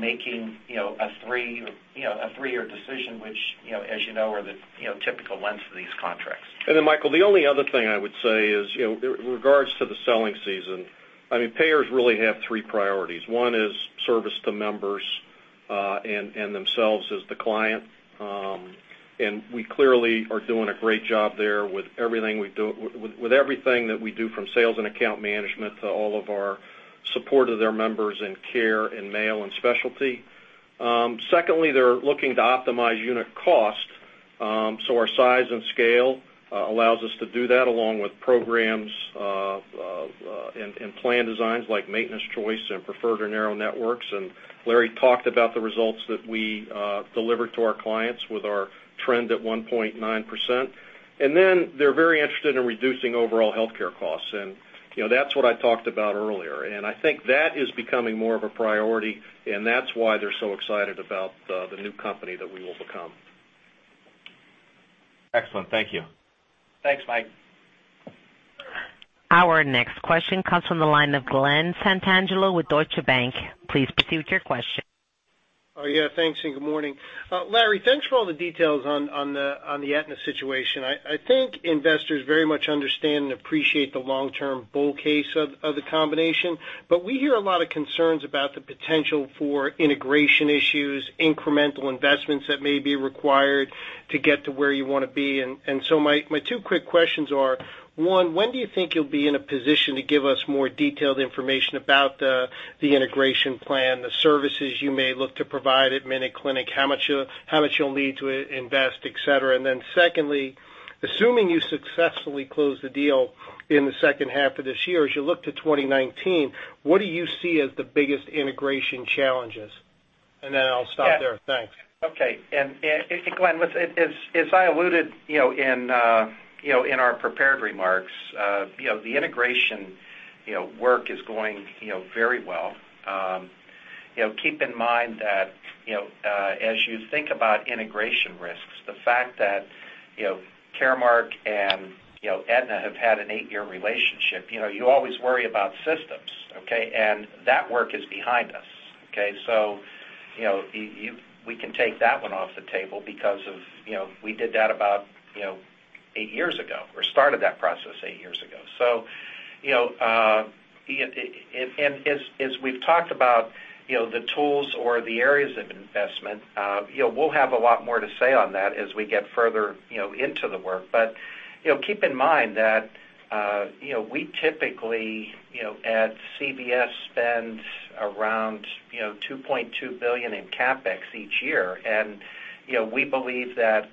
making a three-year decision, which as you know, are the typical lengths of these contracts. Michael, the only other thing I would say is, in regards to the selling season, payers really have 3 priorities. One is service to members, and themselves as the client. We clearly are doing a great job there with everything that we do from sales and account management to all of our support of their members in care, in mail, and specialty. Secondly, they're looking to optimize unit cost. Our size and scale allows us to do that along with programs, and plan designs like Maintenance Choice and preferred or narrow networks. Larry talked about the results that we deliver to our clients with our trend at 1.9%. They're very interested in reducing overall health care costs. That's what I talked about earlier. I think that is becoming more of a priority, and that's why they're so excited about the new company that we will become. Excellent. Thank you. Thanks, Mike. Our next question comes from the line of Glen Santangelo with Deutsche Bank. Please proceed with your question. Thanks and good morning. Larry, thanks for all the details on the Aetna situation. I think investors very much understand and appreciate the long-term bull case of the combination, but we hear a lot of concerns about the potential for integration issues, incremental investments that may be required to get to where you want to be. My two quick questions are, one, when do you think you will be in a position to give us more detailed information about the integration plan, the services you may look to provide at MinuteClinic, how much you will need to invest, et cetera? Secondly, assuming you successfully close the deal in the second half of this year, as you look to 2019, what do you see as the biggest integration challenges? I will stop there. Thanks. Okay. Glen, as I alluded in our prepared remarks, the integration work is going very well. Keep in mind that as you think about integration risks, the fact that Caremark and Aetna have had an eight-year relationship, you always worry about systems, okay? That work is behind us, okay? We can take that one off the table because we did that about eight years ago or started that process eight years ago. As we have talked about the tools or the areas of investment, we will have a lot more to say on that as we get further into the work. Keep in mind that we typically at CVS spend around $2.2 billion in CapEx each year. We believe that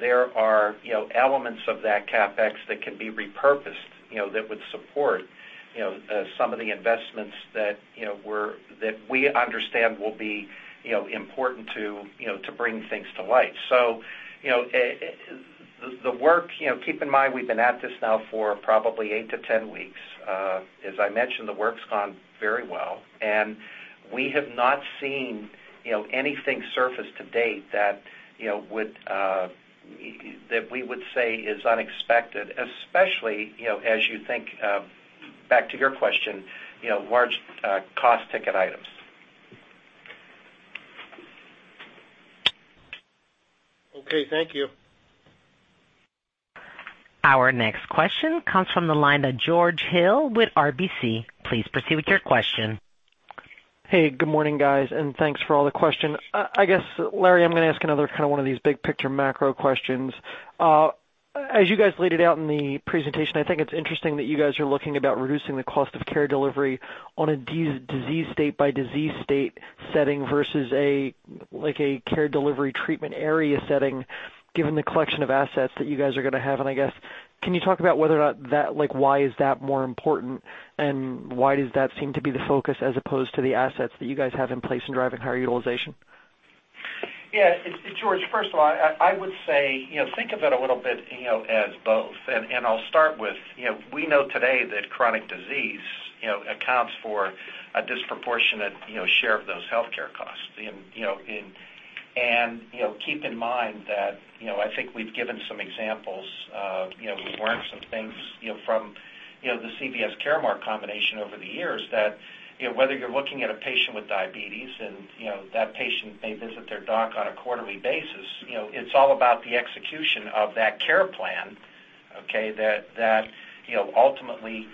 there are elements of that CapEx that can be repurposed, that would support some of the investments that we understand will be important to bring things to life. Keep in mind, we have been at this now for probably eight to 10 weeks. As I mentioned, the work has gone very well, we have not seen anything surface to date that we would say is unexpected, especially as you think back to your question, large cost ticket items. Okay. Thank you. Our next question comes from the line of George Hill with RBC. Please proceed with your question. Hey, good morning, guys, thanks for all the question. I guess, Larry, I'm gonna ask another one of these big picture macro questions. As you guys laid it out in the presentation, I think it's interesting that you guys are looking about reducing the cost of care delivery on a disease state by disease state setting versus a care delivery treatment area setting, given the collection of assets that you guys are going to have. I guess, can you talk about whether or not why is that more important, and why does that seem to be the focus as opposed to the assets that you guys have in place in driving higher utilization? Yeah. George, first of all, I would say, think of it a little bit as both. I'll start with, we know today that chronic disease accounts for a disproportionate share of those health care costs. Keep in mind that, I think we've given some examples. We've learned some things from the CVS Caremark combination over the years that, whether you're looking at a patient with diabetes and that patient may visit their doc on a quarterly basis, it's all about the execution of that care plan, okay, that ultimately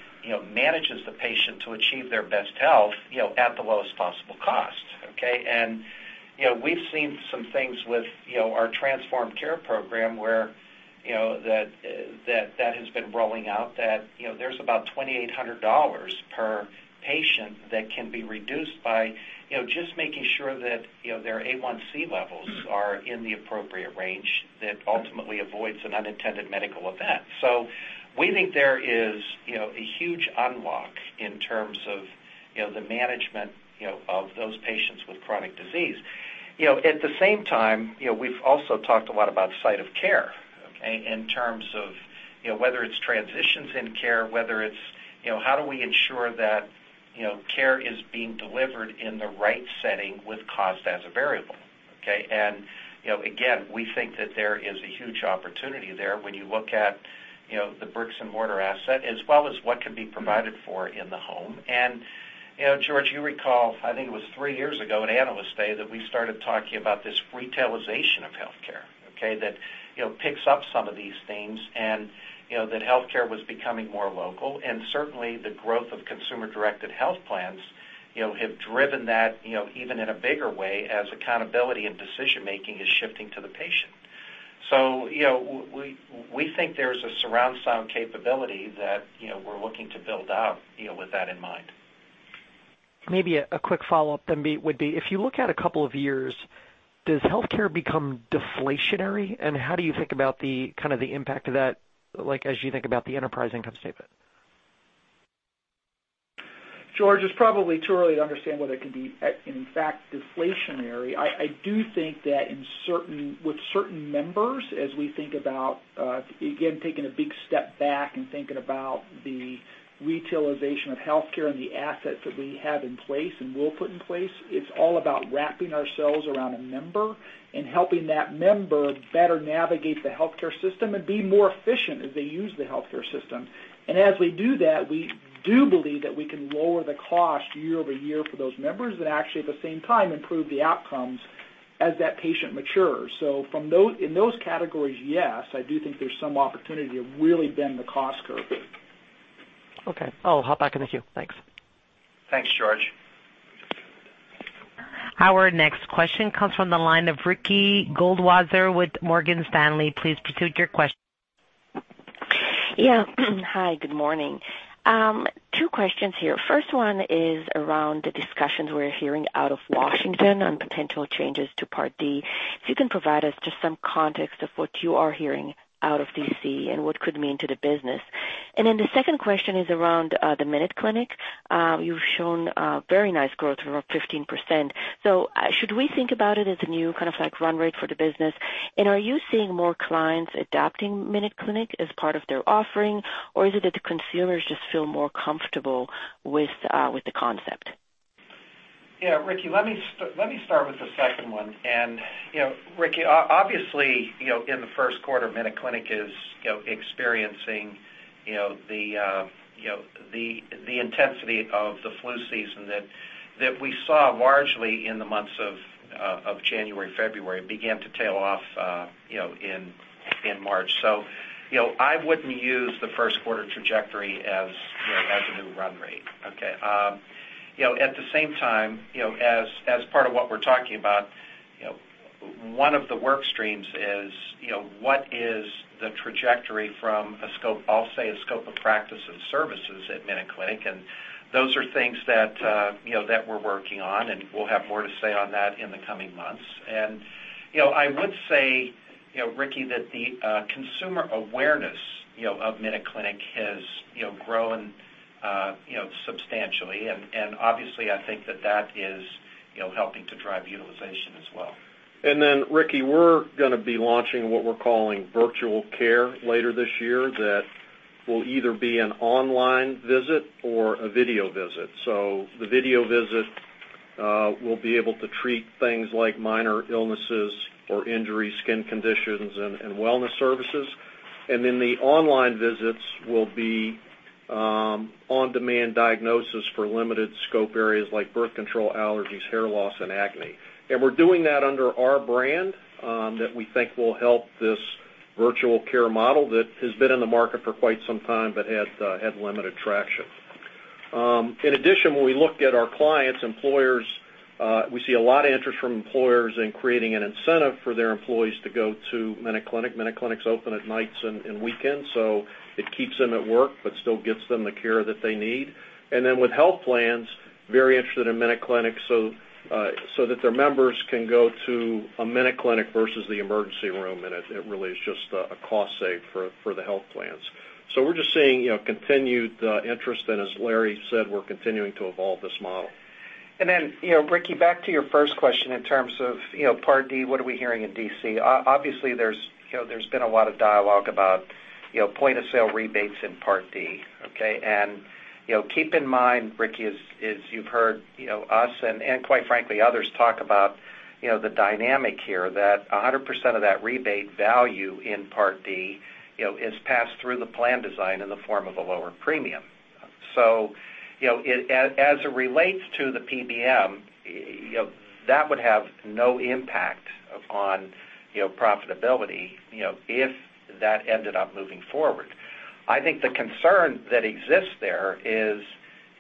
manages the patient to achieve their best health at the lowest possible cost, okay? We've seen some things with our Transform Diabetes Care program where that has been rolling out that there's about $2,800 per patient that can be reduced by just making sure that their A1C levels are in the appropriate range that ultimately avoids an unintended medical event. We think there is a huge unlock in terms of the management of those patients with chronic disease. At the same time, we've also talked a lot about site of care, okay? In terms of whether it's transitions in care, whether it's how do we ensure that care is being delivered in the right setting with cost as a variable, okay? Again, we think that there is a huge opportunity there when you look at the bricks and mortar asset, as well as what can be provided for in the home. George, you recall, I think it was three years ago at Analyst Day, that we started talking about this retailization of healthcare, okay? That picks up some of these themes, and that healthcare was becoming more local, and certainly the growth of consumer-directed health plans have driven that even in a bigger way as accountability and decision-making is shifting to the patient. We think there's a surround sound capability that we're looking to build out with that in mind. Maybe a quick follow-up then would be, if you look at a couple of years, does healthcare become deflationary? How do you think about the impact of that, as you think about the enterprise income statement? George, it's probably too early to understand whether it can be, in fact, deflationary. I do think that with certain members, as we think about, again, taking a big step back and thinking about the retailization of healthcare and the assets that we have in place and will put in place, it's all about wrapping ourselves around a member and helping that member better navigate the healthcare system and be more efficient as they use the healthcare system. As we do that, we do believe that we can lower the cost year-over-year for those members and actually, at the same time, improve the outcomes as that patient matures. In those categories, yes, I do think there's some opportunity to really bend the cost curve. Okay. I'll hop back in the queue. Thanks. Thanks, George. Our next question comes from the line of Ricky Goldwater with Morgan Stanley. Please proceed with your question. Yeah. Hi, good morning. Two questions here. First one is around the discussions we're hearing out of Washington on potential changes to Part D. If you can provide us just some context of what you are hearing out of D.C. and what could mean to the business. The second question is around the MinuteClinic. You've shown a very nice growth of around 15%. Should we think about it as a new kind of run rate for the business? Are you seeing more clients adopting MinuteClinic as part of their offering, or is it that the consumers just feel more comfortable with the concept? Ricky, let me start with the second one. Ricky, obviously, in the first quarter, MinuteClinic is experiencing the intensity of the flu season that we saw largely in the months of January, February. It began to tail off in March. I wouldn't use the first quarter trajectory as a new run rate, okay. At the same time, as part of what we're talking about, one of the work streams is, what is the trajectory from, I'll say, a scope of practice and services at MinuteClinic, and those are things that we're working on, and we'll have more to say on that in the coming months. I would say, Ricky, that the consumer awareness of MinuteClinic has grown substantially, and obviously, I think that that is helping to drive utilization as well. Ricky, we're going to be launching what we're calling virtual care later this year that will either be an online visit or a video visit. The video visit will be able to treat things like minor illnesses or injuries, skin conditions, and wellness services. The online visits will be on-demand diagnosis for limited scope areas like birth control, allergies, hair loss, and acne. We're doing that under our brand that we think will help this virtual care model that has been in the market for quite some time but had limited traction. In addition, when we look at our clients, employers, we see a lot of interest from employers in creating an incentive for their employees to go to MinuteClinic. MinuteClinic's open at nights and weekends, it keeps them at work but still gets them the care that they need. With health plans, very interested in MinuteClinic so that their members can go to a MinuteClinic versus the emergency room, it really is just a cost save for the health plans. We're just seeing continued interest, and as Larry said, we're continuing to evolve this model. Ricky, back to your first question in terms of Part D, what are we hearing in D.C.? Obviously, there's been a lot of dialogue about point-of-sale rebates in Part D, okay. Keep in mind, Ricky, as you've heard us, and quite frankly, others talk about the dynamic here, that 100% of that rebate value in Part D is passed through the plan design in the form of a lower premium. As it relates to the PBM, that would have no impact on profitability, if that ended up moving forward. I think the concern that exists there is,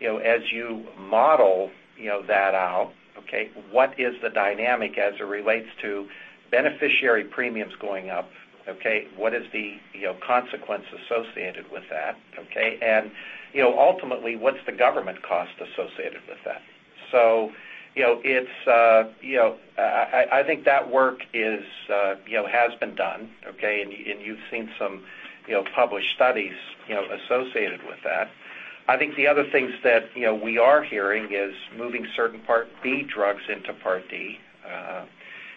as you model that out, okay, what is the dynamic as it relates to beneficiary premiums going up? What is the consequence associated with that? Ultimately, what's the government cost associated with that? I think that work has been done, okay, you've seen some published studies associated with that. I think the other things that we are hearing is moving certain Medicare Part B drugs into Medicare Part D.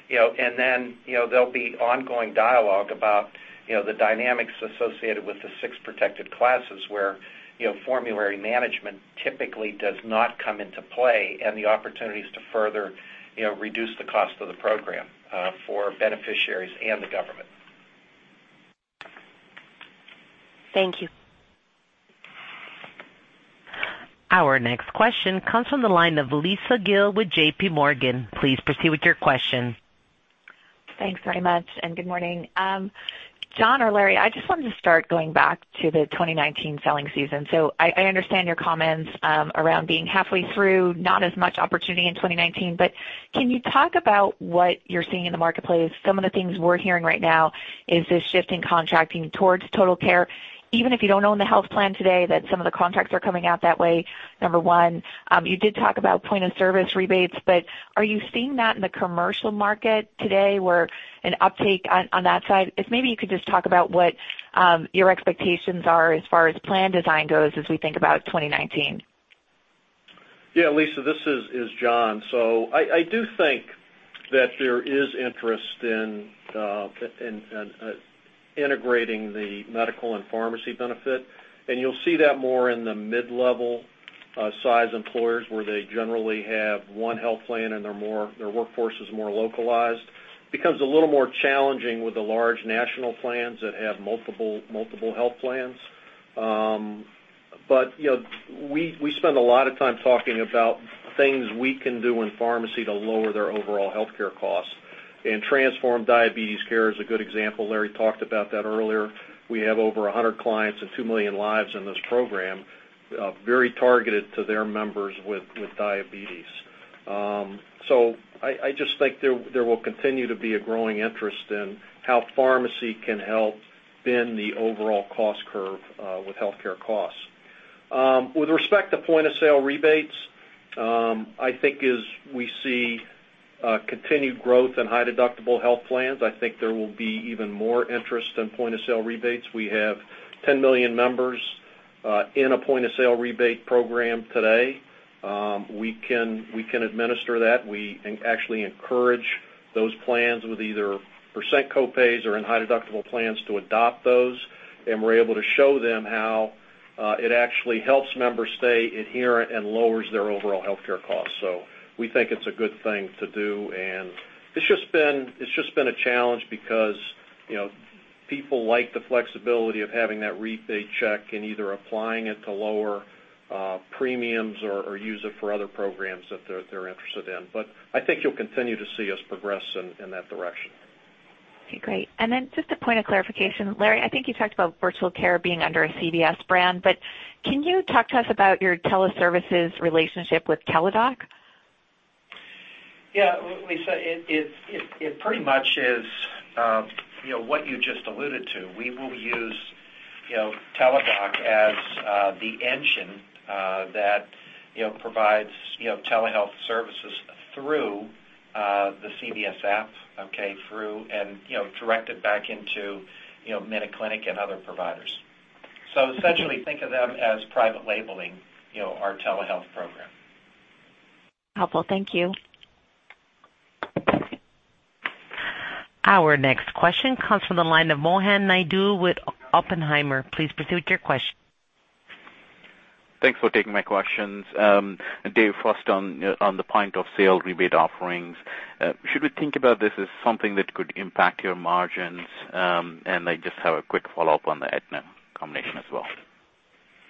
There'll be ongoing dialogue about the dynamics associated with the 6 protected classes, where formulary management typically does not come into play, and the opportunities to further reduce the cost of the program for beneficiaries and the government. Thank you. Our next question comes from the line of Lisa Gill with JPMorgan. Please proceed with your question. Thanks very much, good morning. John or Larry, I just wanted to start going back to the 2019 selling season. I understand your comments around being halfway through, not as much opportunity in 2019, but can you talk about what you're seeing in the marketplace? Some of the things we're hearing right now is this shift in contracting towards total care, even if you don't own the health plan today, that some of the contracts are coming out that way, number 1. You did talk about point-of-service rebates, but are you seeing that in the commercial market today, where an uptake on that side? Maybe you could just talk about what your expectations are as far as plan design goes as we think about 2019. Yeah, Lisa, this is John. I do think that there is interest in integrating the medical and pharmacy benefit, and you'll see that more in the mid-level size employers, where they generally have one health plan and their workforce is more localized. Becomes a little more challenging with the large national plans that have multiple health plans. We spend a lot of time talking about things we can do in pharmacy to lower their overall healthcare costs. Transform Diabetes Care is a good example. Larry talked about that earlier. We have over 100 clients and 2 million lives in this program, very targeted to their members with diabetes. I just think there will continue to be a growing interest in how pharmacy can help bend the overall cost curve with healthcare costs. With respect to point-of-sale rebates, I think as we see continued growth in high deductible health plans, I think there will be even more interest in point-of-sale rebates. We have 10 million members in a point-of-sale rebate program today. We can administer that. We actually encourage those plans with either percent co-pays or in high deductible plans to adopt those. We're able to show them how it actually helps members stay adherent and lowers their overall healthcare costs. I think it's a good thing to do, and it's just been a challenge because people like the flexibility of having that rebate check and either applying it to lower premiums or use it for other programs that they're interested in. I think you'll continue to see us progress in that direction. Okay, great. Just a point of clarification, Larry, I think you talked about virtual care being under a CVS brand, but can you talk to us about your teleservices relationship with Teladoc? Yeah. Lisa, it pretty much is what you just alluded to. We will use Teladoc as the engine that provides telehealth services through the CVS app, okay, through and directed back into MinuteClinic and other providers. Essentially, think of them as private labeling our telehealth program. Helpful. Thank you. Our next question comes from the line of Mohan Naidu with Oppenheimer. Please proceed with your question. Thanks for taking my questions. Dave, first on the point of sale rebate offerings, should we think about this as something that could impact your margins? I just have a quick follow-up on the Aetna combination as well.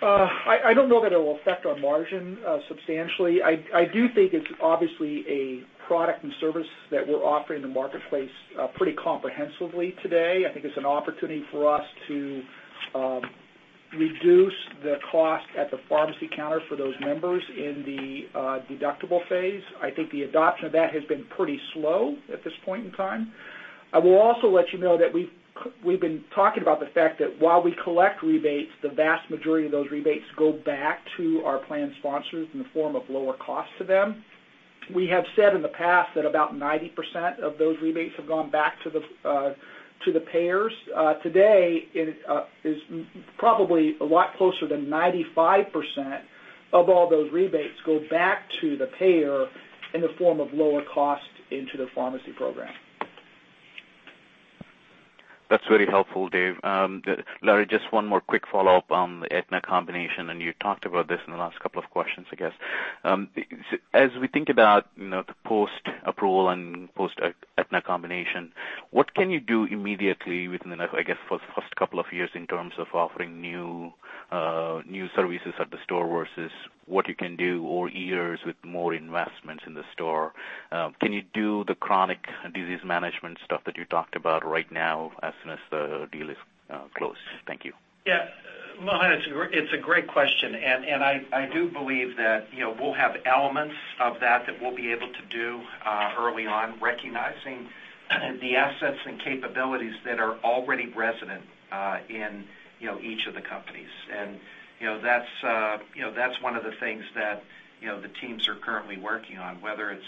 I don't know that it will affect our margin substantially. I do think it's obviously a product and service that we're offering in the marketplace pretty comprehensively today. I think it's an opportunity for us to reduce the cost at the pharmacy counter for those members in the deductible phase. I think the adoption of that has been pretty slow at this point in time. I will also let you know that we've been talking about the fact that while we collect rebates, the vast majority of those rebates go back to our plan sponsors in the form of lower cost to them. We have said in the past that about 90% of those rebates have gone back to the payers. Today, it is probably a lot closer to 95% of all those rebates go back to the payer in the form of lower cost into their pharmacy program. That's very helpful, Dave. Larry, just one more quick follow-up on the Aetna combination, and you talked about this in the last couple of questions, I guess. As we think about the post-approval and post-Aetna combination, what can you do immediately within, I guess, first couple of years in terms of offering new services at the store versus what you can do over years with more investments in the store? Can you do the chronic disease management stuff that you talked about right now as soon as the deal is closed? Thank you. Yeah. Mohan, it's a great question. I do believe that we'll have elements of that we'll be able to do early on, recognizing the assets and capabilities that are already resident in each of the companies. That's one of the things that the teams are currently working on, whether it's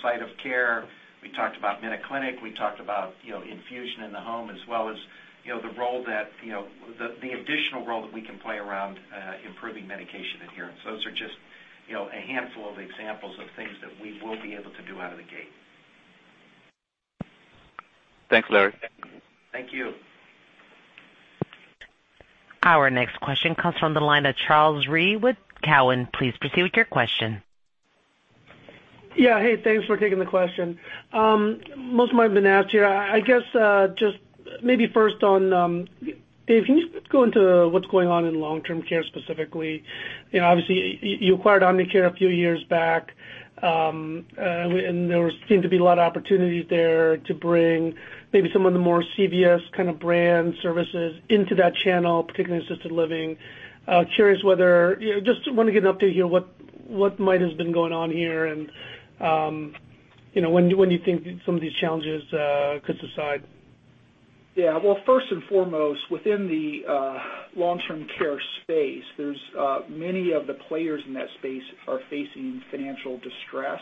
site of care. We talked about MinuteClinic, we talked about infusion in the home as well as the additional role that we can play around improving medication adherence. Those are just a handful of examples of things that we will be able to do out of the gate. Thanks, Larry. Thank you. Our next question comes from the line of Charles Rhyee with Cowen. Please proceed with your question. Yeah. Hey, thanks for taking the question. Most of mine have been asked here. I guess, just maybe first on, Dave, can you go into what's going on in long-term care specifically? Obviously, you acquired Omnicare a few years back, and there seemed to be a lot of opportunities there to bring maybe some of the more CVS kind of brand services into that channel, particularly in assisted living. Curious whether, just want to get an update here what might has been going on here, and when do you think some of these challenges could subside? Yeah. Well, first and foremost, within the long-term care space, many of the players in that space are facing financial distress,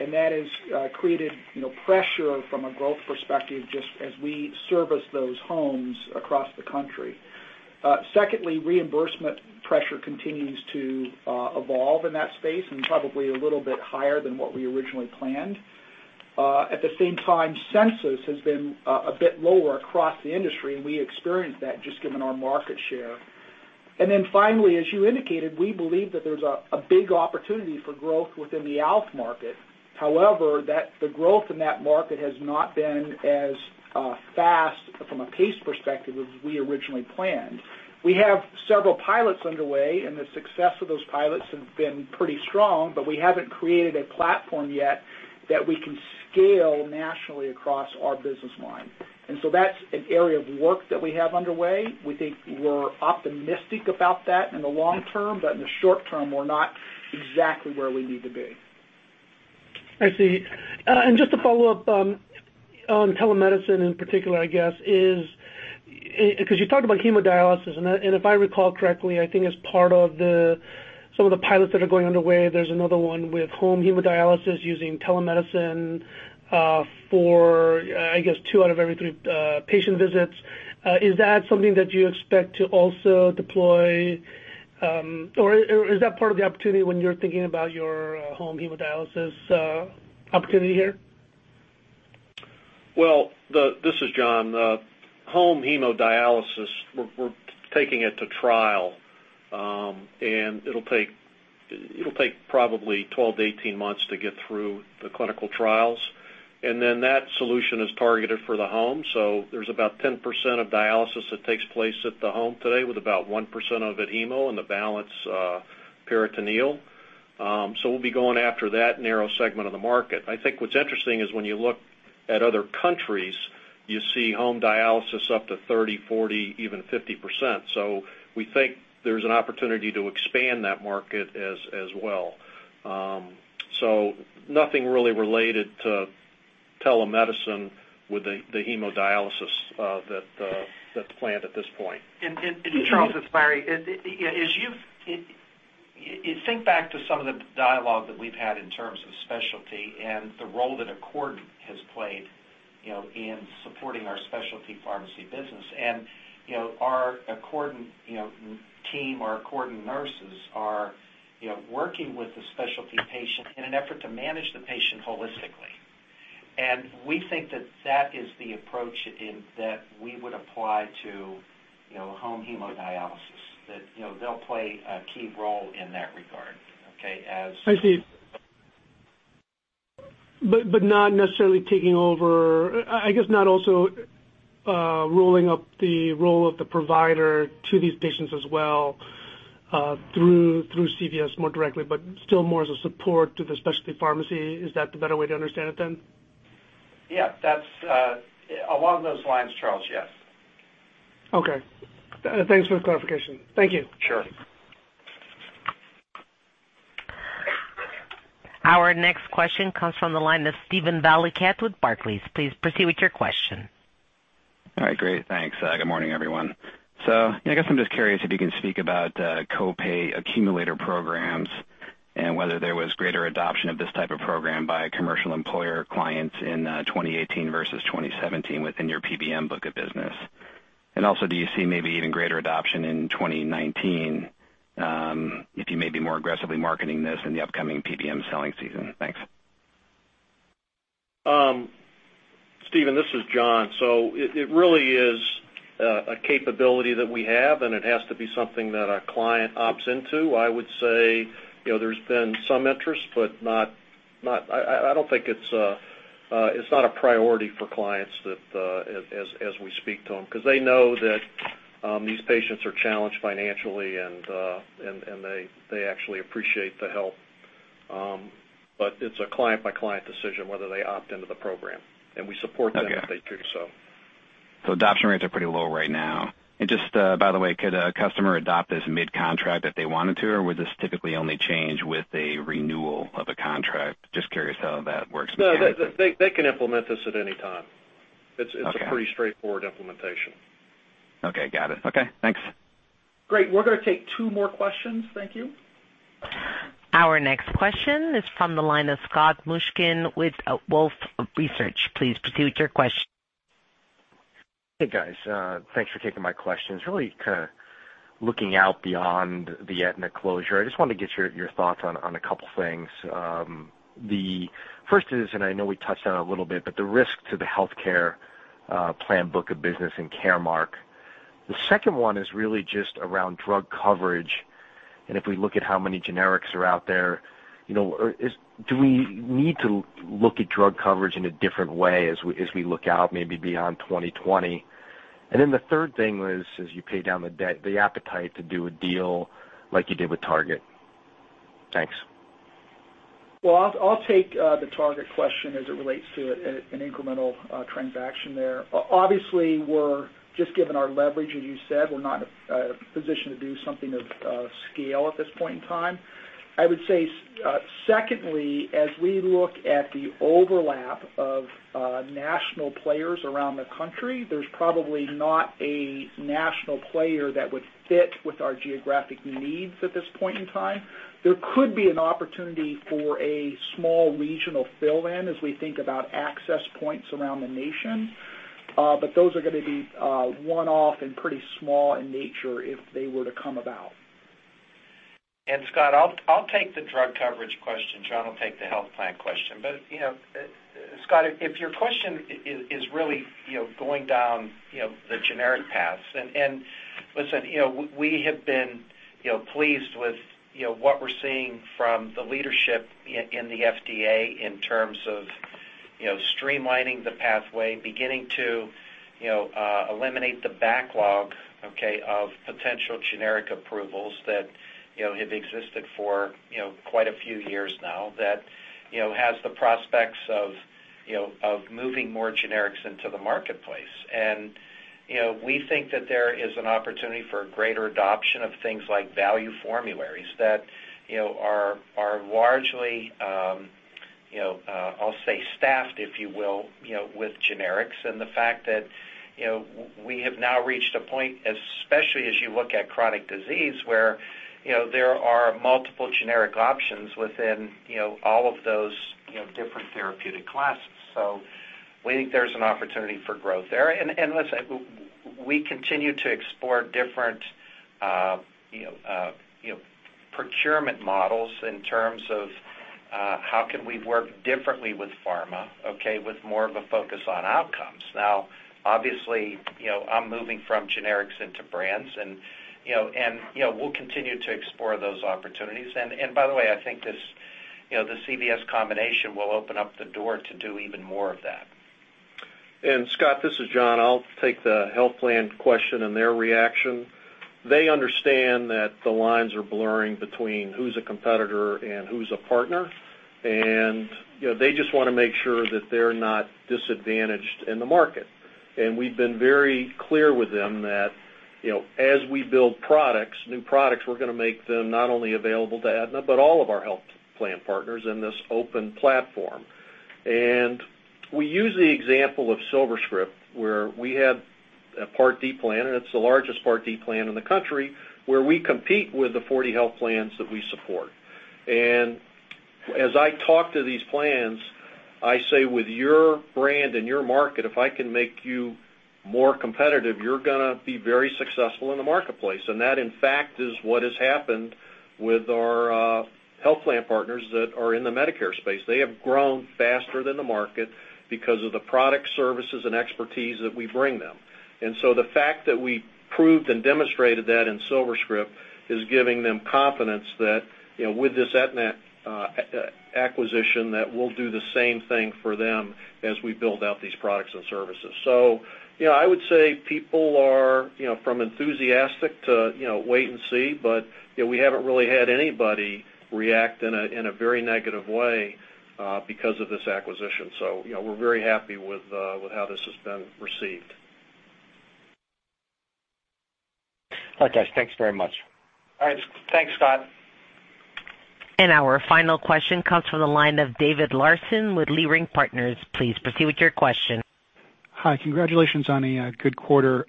that has created pressure from a growth perspective just as we service those homes across the country. Secondly, reimbursement pressure continues to evolve in that space probably a little bit higher than what we originally planned. At the same time, census has been a bit lower across the industry, we experienced that just given our market share. Finally, as you indicated, we believe that there's a big opportunity for growth within the ALF market. However, the growth in that market has not been as fast from a pace perspective as we originally planned. We have several pilots underway, the success of those pilots has been pretty strong, we haven't created a platform yet that we can scale nationally across our business line. That's an area of work that we have underway. We think we're optimistic about that in the long term, in the short term, we're not exactly where we need to be. I see. Just to follow up on telemedicine in particular, I guess, because you talked about hemodialysis, and if I recall correctly, I think as part of some of the pilots that are going underway, there's another one with home hemodialysis using telemedicine for, I guess, two out of every three patient visits. Is that something that you expect to also deploy, or is that part of the opportunity when you're thinking about your home hemodialysis opportunity here? Well, this is John. Home hemodialysis, we're taking it to trial. It'll take probably 12-18 months to get through the clinical trials. Then that solution is targeted for the home. There's about 10% of dialysis that takes place at the home today, with about 1% of it hemo and the balance peritoneal. We'll be going after that narrow segment of the market. I think what's interesting is when you look at other countries, you see home dialysis up to 30%, 40%, even 50%. We think there's an opportunity to expand that market as well. Nothing really related to telemedicine with the hemodialysis that's planned at this point. Charles, it's Larry. Think back to some of the dialogue that we've had in terms of specialty and the role that Accordant has played in supporting our specialty pharmacy business. Our Accordant team, our Accordant nurses are working with the specialty patient in an effort to manage the patient holistically. We think that that is the approach that we would apply to home hemodialysis, that they'll play a key role in that regard. I see. Not necessarily taking over, I guess, not also rolling up the role of the provider to these patients as well through CVS more directly, but still more as a support to the specialty pharmacy. Is that the better way to understand it then? Yeah. Along those lines, Charles, yes. Okay. Thanks for the clarification. Thank you. Sure. Our next question comes from the line of Steven Valiquette with Barclays. Please proceed with your question. All right. Great. Thanks. Good morning, everyone. I guess I'm just curious if you can speak about co-pay accumulator programs and whether there was greater adoption of this type of program by commercial employer clients in 2018 versus 2017 within your PBM book of business. Also, do you see maybe even greater adoption in 2019, if you may be more aggressively marketing this in the upcoming PBM selling season? Thanks. Steven, this is John. It really is a capability that we have, and it has to be something that a client opts into. I would say, there's been some interest, I don't think it's a priority for clients as we speak to them, because they know that these patients are challenged financially, and they actually appreciate the help. It's a client-by-client decision whether they opt into the program, and we support them if they do so. Okay. Adoption rates are pretty low right now. Just, by the way, could a customer adopt this mid-contract if they wanted to, or would this typically only change with a renewal of a contract? Just curious how that works mechanically. No, they can implement this at any time. Okay. It's a pretty straightforward implementation. Okay. Got it. Okay, thanks. Great. We're going to take two more questions. Thank you. Our next question is from the line of Scott Mushkin with Wolfe Research. Please proceed with your question. Hey, guys. Thanks for taking my questions. Really kind of looking out beyond the Aetna closure, I just wanted to get your thoughts on a couple things. The first is, and I know we touched on it a little bit, but the risk to the healthcare plan book of business in Caremark. The second one is really just around drug coverage, and if we look at how many generics are out there, do we need to look at drug coverage in a different way as we look out maybe beyond 2020? The third thing was, as you pay down the debt, the appetite to do a deal like you did with Target. Thanks. Well, I'll take the Target question as it relates to an incremental transaction there. Obviously, just given our leverage, as you said, we're not in a position to do something of scale at this point in time. I would say, secondly, as we look at the overlap of national players around the country, there's probably not a national player that would fit with our geographic needs at this point in time. There could be an opportunity for a small regional fill-in as we think about access points around the nation. Those are going to be one-off and pretty small in nature if they were to come about. Scott, I'll take the drug coverage question. John will take the health plan question. Scott, if your question is really going down the generic paths, listen, we have been pleased with what we're seeing from the leadership in the FDA in terms of streamlining the pathway, beginning to eliminate the backlog, okay, of potential generic approvals that have existed for quite a few years now, that has the prospects of moving more generics into the marketplace. We think that there is an opportunity for greater adoption of things like value formularies that are largely, I'll say staffed, if you will, with generics. The fact that we have now reached a point, especially as you look at chronic disease, where there are multiple generic options within all of those different therapeutic classes. We think there's an opportunity for growth there. Listen, we continue to explore different procurement models in terms of how can we work differently with pharma, okay, with more of a focus on outcomes. Now, obviously, I'm moving from generics into brands, and we'll continue to explore those opportunities. By the way, I think the CVS combination will open up the door to do even more of that. Scott, this is John. I'll take the health plan question and their reaction. They understand that the lines are blurring between who's a competitor and who's a partner. They just want to make sure that they're not disadvantaged in the market. We've been very clear with them that as we build new products, we're going to make them not only available to Aetna, but all of our health plan partners in this open platform. We use the example of SilverScript, where we have a Part D plan, and it's the largest Part D plan in the country, where we compete with the 40 health plans that we support. As I talk to these plans, I say, "With your brand and your market, if I can make you more competitive, you're going to be very successful in the marketplace." That, in fact, is what has happened with our health plan partners that are in the Medicare space. They have grown faster than the market because of the product, services, and expertise that we bring them. The fact that we proved and demonstrated that in SilverScript is giving them confidence that with this Aetna acquisition, we'll do the same thing for them as we build out these products and services. I would say people are from enthusiastic to wait and see, but we haven't really had anybody react in a very negative way because of this acquisition. We're very happy with how this has been received. All right, guys. Thanks very much. All right. Thanks, Scott. Our final question comes from the line of David Larsen with Leerink Partners. Please proceed with your question. Hi. Congratulations on a good quarter.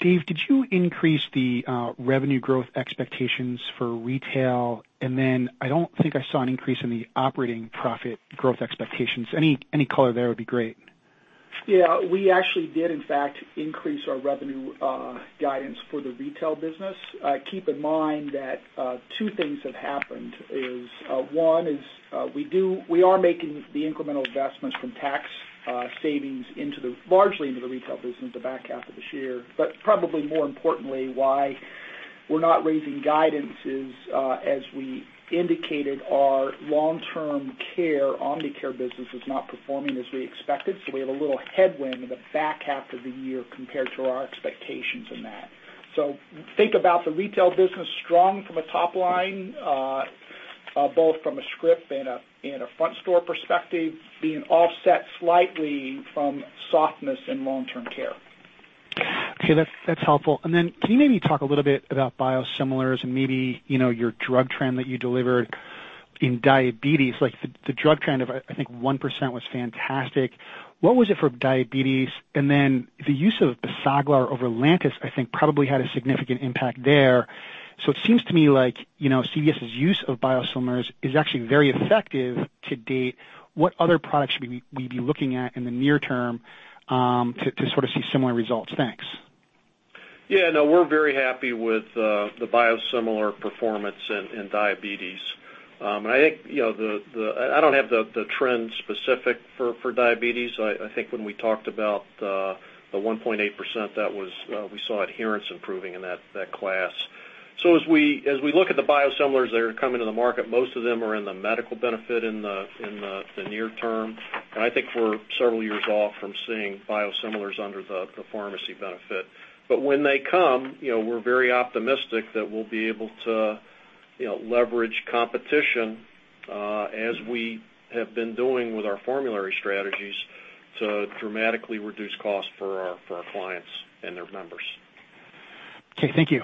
Dave, did you increase the revenue growth expectations for retail? I don't think I saw an increase in the operating profit growth expectations. Any color there would be great. Yeah, we actually did, in fact, increase our revenue guidance for the retail business. Keep in mind that two things have happened is, one is we are making the incremental investments from tax savings largely into the retail business the back half of this year, probably more importantly, why we're not raising guidance is, as we indicated, our long-term care Omnicare business is not performing as we expected. We have a little headwind in the back half of the year compared to our expectations in that. Think about the retail business strong from a top line, both from a script and a front store perspective, being offset slightly from softness in long-term care. Okay, that's helpful. Can you maybe talk a little bit about biosimilars and maybe your drug trend that you delivered in diabetes? Like, the drug trend of, I think 1% was fantastic. What was it for diabetes? The use of BASAGLAR over Lantus, I think, probably had a significant impact there. It seems to me like CVS's use of biosimilars is actually very effective to date. What other products should we be looking at in the near term to sort of see similar results? Thanks. Yeah, no, we're very happy with the biosimilar performance in diabetes. I don't have the trend specific for diabetes. I think when we talked about the 1.8%, we saw adherence improving in that class. As we look at the biosimilars that are coming to the market, most of them are in the medical benefit in the near term. I think we're several years off from seeing biosimilars under the pharmacy benefit. When they come, we're very optimistic that we'll be able to leverage competition as we have been doing with our formulary strategies to dramatically reduce costs for our clients and their members. Okay, thank you.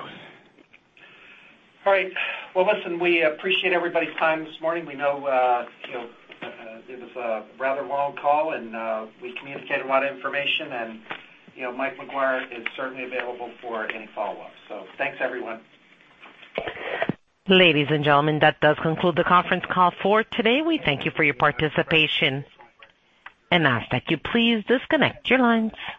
Right. Well, listen, we appreciate everybody's time this morning. We know it was a rather long call, and we communicated a lot of information, and Michael McGuire is certainly available for any follow-up. Thanks, everyone. Ladies and gentlemen, that does conclude the conference call for today. We thank you for your participation and ask that you please disconnect your lines.